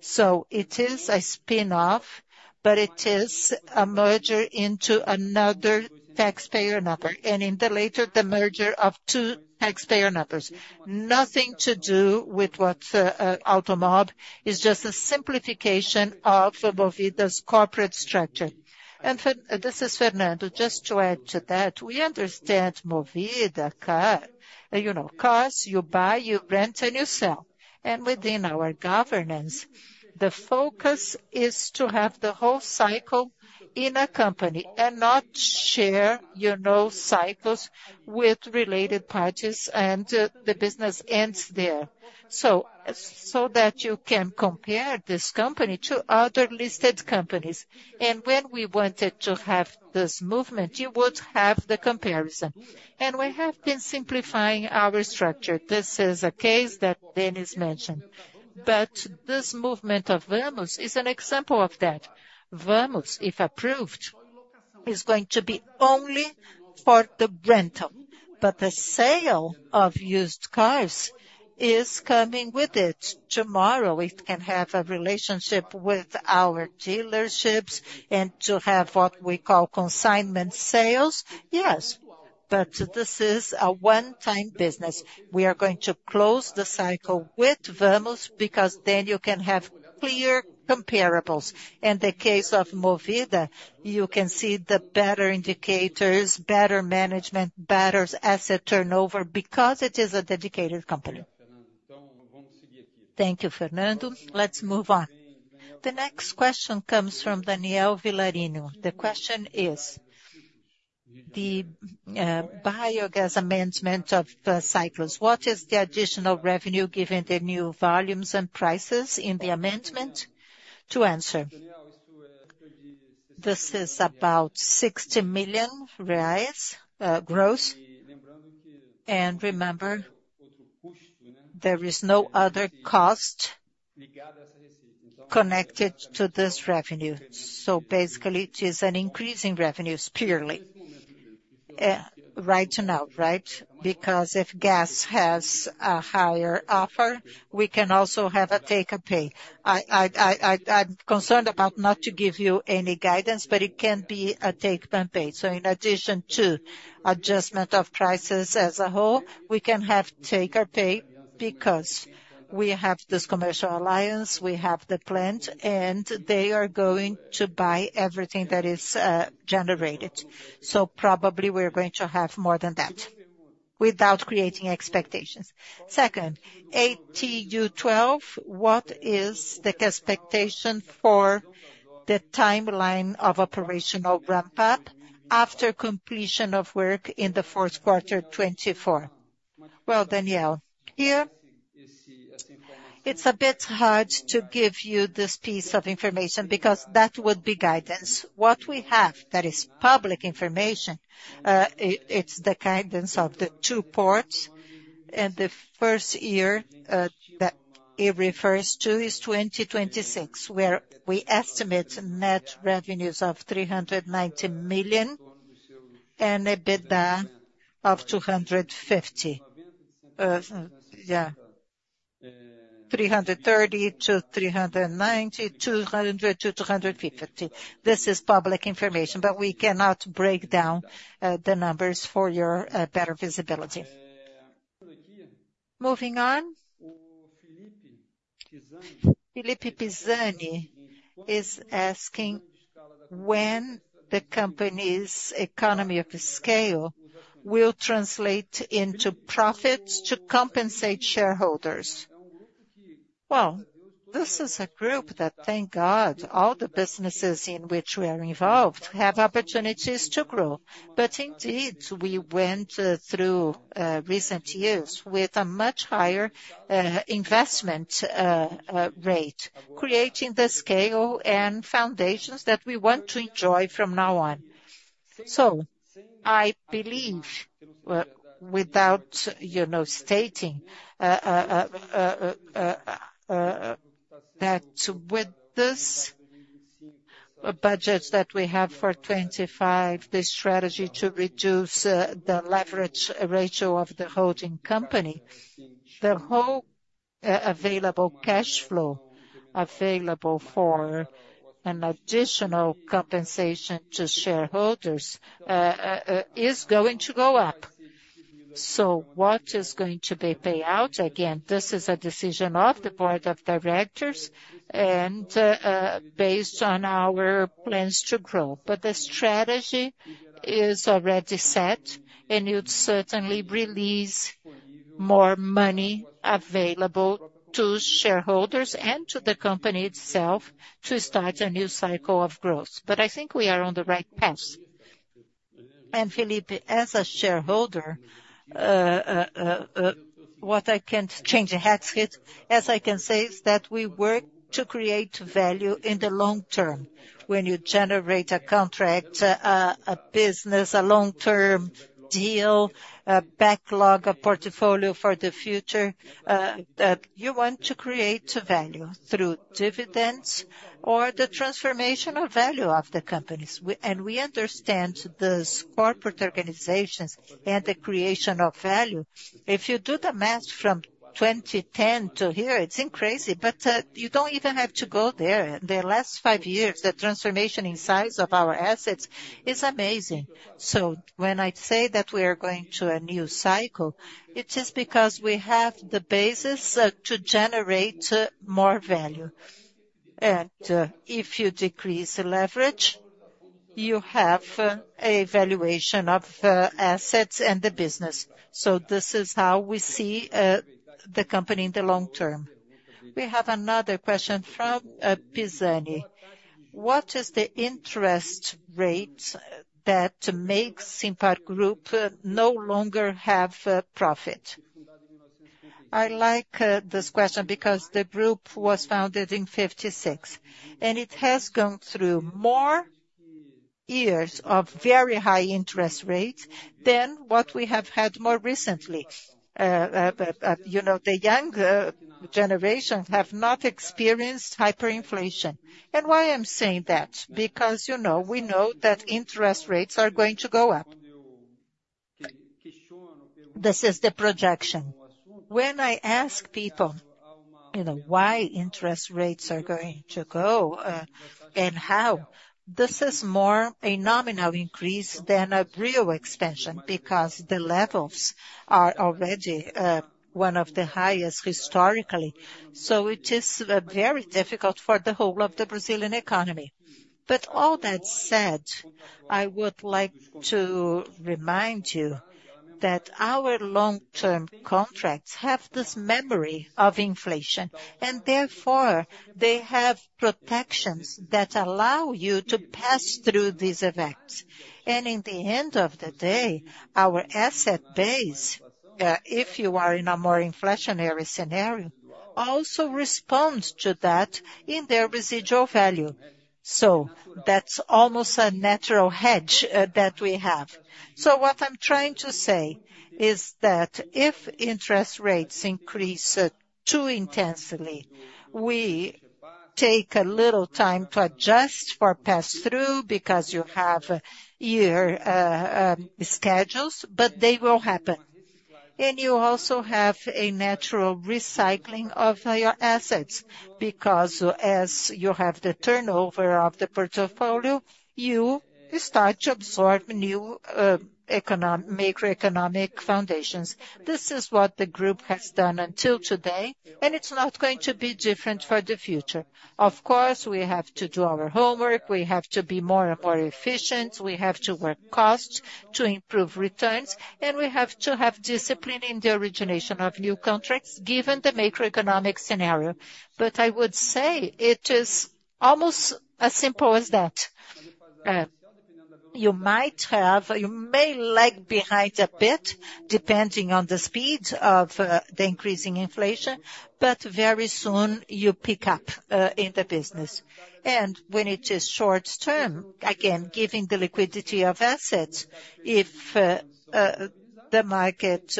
So it is a spin-off, but it is a merger into another taxpayer number. And in the latter the merger of two taxpayer numbers nothing to do with what Automob is just a simplification of Movida's corporate structure. And this is Fernando, just to add to that, we understand Movida car. You know, cars you buy, you rent and you sell. And within our governance the focus is to have the whole cycle in a company and not share, you know, cycles with related parties and the business ends there. So. So that you can compare this company to other listed companies. And when we wanted to have this movement, you would have the comparison. And we have been simplifying our structure. This is a case that Denys mentioned. But this movement of Vamos is an example of that. Vamos, if approved, is going to be only for the rental. But the sale of used cars is coming with it. Tomorrow it can have a relationship with our dealerships and to have Automob, we call consignment sales. Yes, but this is a one-time business. We are going to close the cycle with Vamos because then you can have clear comparables. In the case of Movida, you can see the better indicators, better management, better asset turnover because it is a dedicated company. Thank you, Fernando. Let's move on. The next question comes from Daniel Villarino. The question is the biogas amendment of Ciclus. What is the additional revenue given the new volumes and prices in the amendment? To answer this is about 60 million reais gross. And remember, there is no other cost connected to this revenue. So basically it is an increase in revenues purely right now. Right. Because if gas has a higher offer, we can also have a take-or-pay. I'm concerned about, not to give you any guidance, but it can be a take-or-pay. So in addition to adjustment of prices as a whole, we can have take-or-pay because we have this commercial alliance, we have the plant and they are going to buy everything that is generated. So probably we are going to have more than that without creating expectations. Second ATU12, what is the expectation for the timeline of operational ramp-up after completion of work in the fourth quarter? 24. Well, Daniel, here it's a bit hard to give you this piece of information because that would be guidance. What we have that is public information. It's the guidance of the two ports. And the first year that it refers to is 2026, where we estimate net revenues of 390 million and EBITDA of 250 million. Yeah, 330 million to 390 million. 200 million to 250 million. This is public information. But we cannot break down the numbers for your better visibility. Moving on. Is asking when the company's economy of scale will translate into profits to compensate shareholders. Well, this is a group that, thank God all the businesses in which we are involved have opportunities to grow. But indeed we went through recent years with a much higher investment rate creating the scale and foundations that we want to enjoy from now on. So I believe without stating that with this budget that we have for 2025, the strategy to reduce the leverage ratio of the holding company, the whole available cash flow available for an additional compensation to shareholders is going to go up. So what is going to be paid out? Again, this is a decision of the board of directors and based on our plans to grow. But the strategy is already set and it certainly release more money available to shareholders and to the company itself to start a new cycle of growth. But I think we are on the right path. Philippe, as a shareholder, what I can say to that is that we work to create value in the long term. When you generate a contract, a business, a long term deal backlog, a portfolio for the future, that you want to create value through dividends or the transformation of value of the companies. And we understand this corporate organization and the creation of value, if you do the math from 2010 to here, it's crazy, but you don't even have to go back, the last five years. The transformation in size of our assets is amazing. So when I say that we are going to a new cycle, it is because we have the basis to generate more value. And if you decrease leverage, you have a valuation of assets and the business. So this is how we see the company in the long term. We have another question from what is the interest rate that makes Simpar Group no longer have profit? I like this question because the group was founded in 1956 and it has gone through more years of very high interest rate than what we have had more recently. You know, the young people generation have not experienced hyperinflation. And why I'm saying that because, you know, we know that interest rates are going to go up. This is the projection. When I ask people, you know, why interest rates are going to go and how this is more a nominal increase than a real expansion because the levels are already one of the highest historically. So it is very difficult for the whole of the Brazilian economy. But all that said, I would like to remind you that our long term contracts have this memory of inflation and therefore they have protections that allow you to pass through these effects, and in the end of the day, our asset base, if you are in a more inflationary scenario, also responds to that in their residual value. So that's almost a natural hedge that we have, so what I'm trying to say is that if interest rates increase too intensely, we take a little time to adjust for pass through because you have year schedules, but they will happen, and you also have a natural recycling of your assets, because as you have the turnover of the portfolio, you start to absorb new economic foundations. This is what the group has done until today, and it's not going to be different for the future. Of course, we have to do our homework. We have to be more and more efficient. We have to work cost to improve returns. And we have to have discipline in the origination of new contracts, given the macroeconomic scenario. But I would say it is almost as simple as that. You might have. You may lag behind a bit, depending on the speed of the increasing inflation, but very soon you pick up in the business and when it is short term, again giving the liquidity of assets. If the market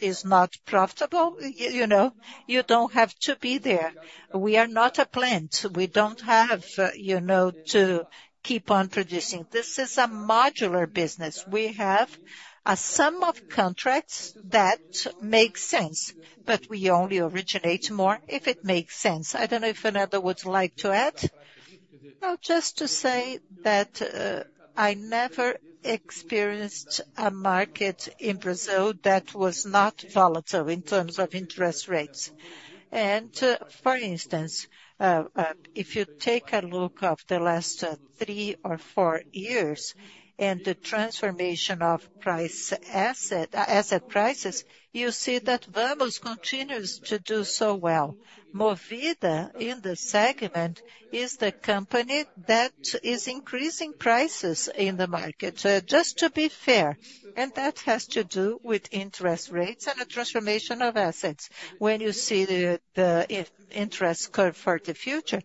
is not profitable, you know, you don't have to be there. We are not a plant. We don't have, you know, to keep on producing. This is a modular business. We have a sum of contracts that make sense, but we only originate more if it makes sense. I don't know if another would like to add now, just to say that I never experienced a market in Brazil that was not volatile in terms of interest rates. And for instance, if you take a look of the last three or four years and the transformation of asset prices, you see that Vamos continues to do so. Well, Movida in the segment is the company that is increasing prices in the market, just to be fair. And that has to do with interest rates and the transformation of assets. When you see the interest curve for the future,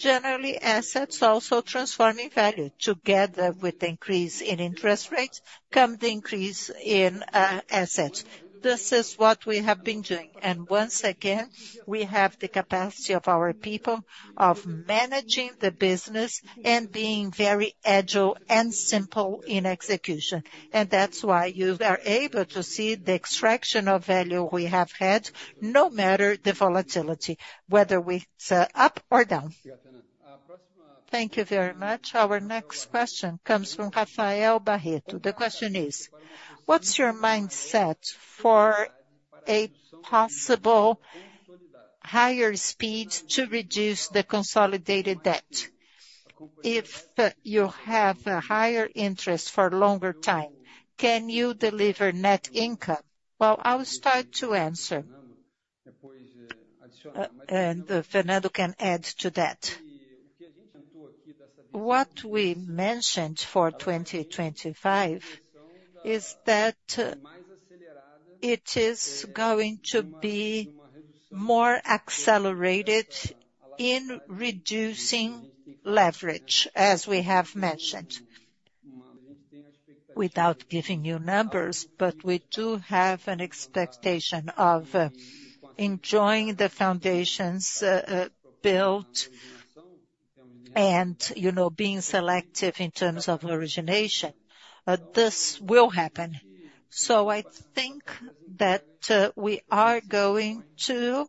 generally assets also transforming value, together with the increase in interest rates come the increase in assets. This is what we have been doing. And once again we have the capacity of our people of managing the business and being very agile and simple in execution. And that's why you are able to see the extraction of value we have had, no matter the volatility, whether we are up or down. Thank you very much. Our next question comes from Rafael Barreto. The question is what's your mindset for a possible higher speed to reduce the consolidated debt? If you have a higher interest for longer time, can you deliver net income? Well, I'll start to answer and Fernando can add to that. What we mentioned for 2025 is that it is going to be more accelerated in reducing leverage, as we have mentioned, without giving you numbers. But we do have an expectation of enjoying the foundations built and, you know, being selective in terms of origination. This will happen. So I think that we are going to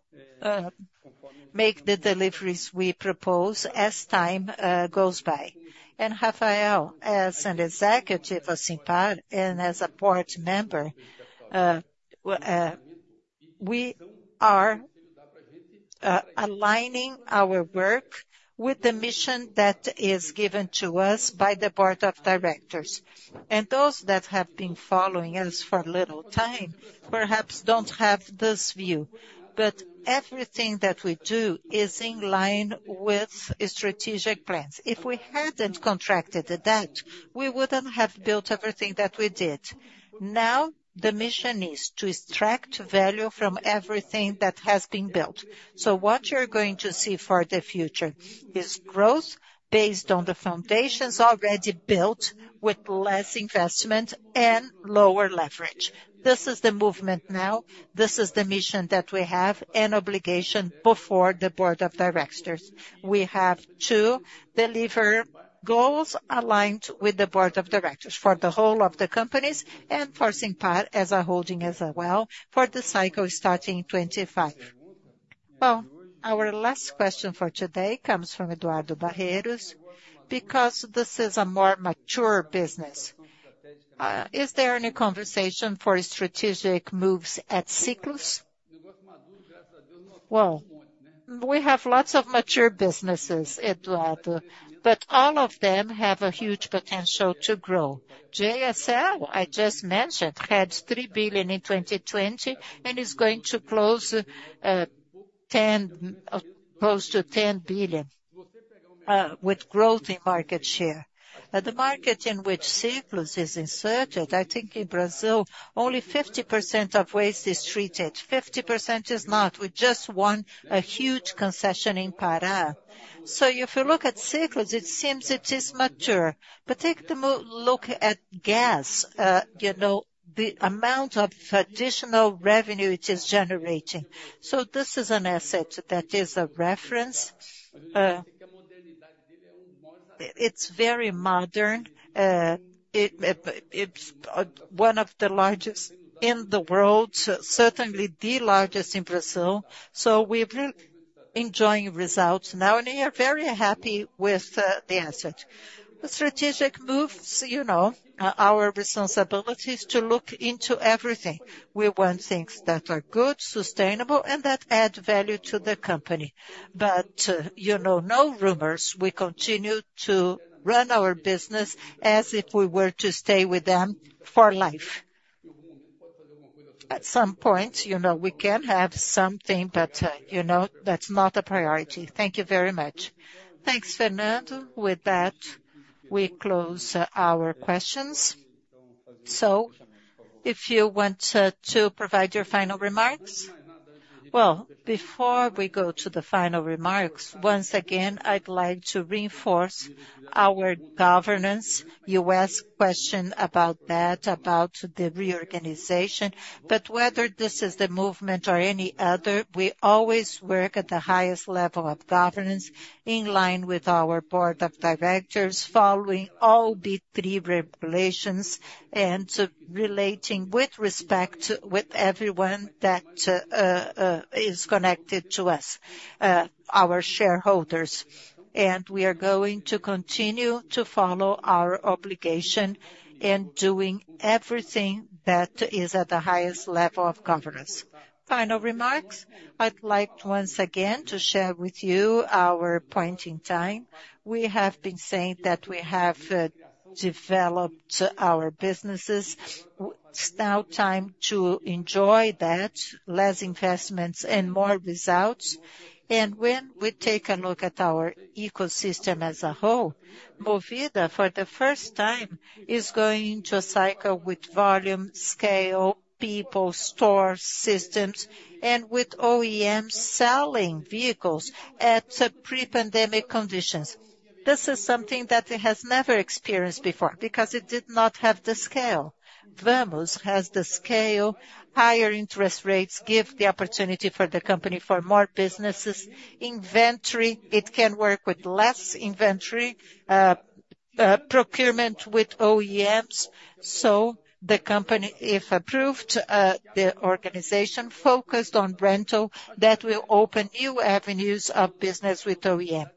make the deliveries we propose as time goes by. Rafael, as an executive of Simpar and as a board member, we are aligning our work with the mission that is given to us by the board of directors. Those that have been following us for a little time perhaps don't have this view, but everything that we do is in line with strategic plans. If we hadn't contracted that, we wouldn't have built everything that we did. Now the mission is to extract value from everything that has been built. What you're going to see for the future is growth based on the foundations already built, with less investment and lower leverage. This is the movement now. This is the mission that we have and obligation before the board of directors. We have to deliver goals aligned with the board of directors for the whole of the companies and for Simpar as a holding as well for the cycle starting 2025. Well, our last question for today comes from Eduardo Barreiros. Because this is a more mature business. Is there any conversation for strategic moves at Ciclus? Well, we have lots of mature businesses, Eduardo, but all of them have a huge potential to grow. JSL I just mentioned had 3 billion in 2020 and is going to close to 10 billion with growth in market share, the market in which Ciclus is inserted. I think in Brazil only 50% of waste is treated. 50% is not. We just won a huge concession in Pará. So if you look at Ciclus, it seems it is mature, but take a look at CS, you know, the amount of additional revenue it is generating. So this is an asset that is a reference. It's very modern, one of the largest in the world, certainly the largest in Brazil. So we've been enjoying results now and we are very happy with the asset, the strategic moves, you know, our responsibilities to look into everything. We want things that are good, sustainable and that add value to the company. But, you know, no rumors. We continue to run our business as if we were to stay with them for life. At some point, you know, we can have something, but you know, that's not a priority. Thank you very much. Thanks, Fernando. With that we close our questions. So if you want to provide your final remarks. Well, before we go to the final remarks, once again I'd like to reinforce our governance. You asked question about that, about the reorganization. But whether this is the movement or any other, we always work at the highest level of governance, in line with our board of directors, following all B3 regulations and relating with respect with everyone that is connected to us, our shareholders. And we are going to continue to follow our obligation in doing everything that is at the highest level of governance. Final remarks. I'd like once again to share with you our point in time. We have been saying that we have developed our businesses. It's now time to enjoy that less investments and more results. And when we take a look at our ecosystem as a whole. Movida, for the first time, is going to cycle with volume scale, people store systems, and with OEMs selling vehicles at pre-pandemic conditions. This is something that it has never experienced before because it did not have the scale. Vamos has the scale. Higher interest rates give the opportunity for the company for more businesses inventory. It can work with less inventory procurement with OEMs. So the company, if approved, the organization focused on rental. That will open new avenues of business with OEM.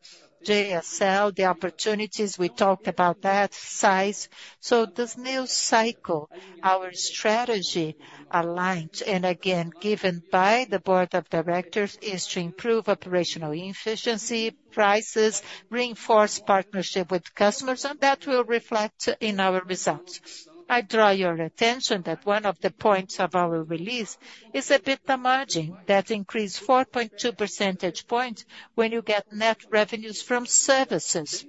JSL, the opportunities we talked about that size. So this new cycle, our strategy aligned and again given by the board of directors is to improve operational efficiency, prices, reinforce partnership with customers, and that will reflect in our results. I draw your attention that one of the points of our release is EBITDA margin that increase 4.2 percentage point when you get net revenues from services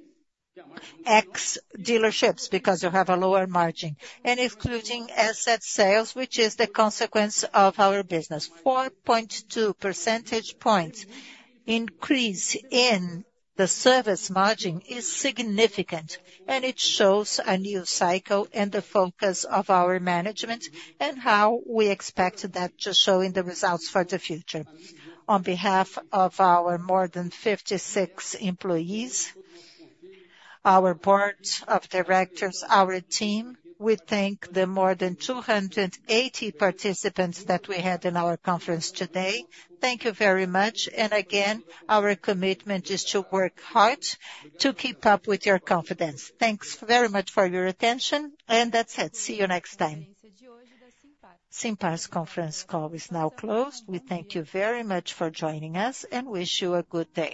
ex dealerships because you have a lower margin and excluding asset sales, which is the consequence of our business. 4.2 percentage points increase in the service margin is significant. It shows a new cycle and the focus of our management and how we expected that to show in the results for the future. On behalf of our more than 56 employees, our board of directors, our team, we thank the more than 280 participants that we had in our conference today. Thank you very much. Again, our commitment is to work hard to keep up with your confidence. Thanks very much for your attention. That's it. See you next time. Simpar's conference call is now closed. We thank you very much for joining us and wish you a good day.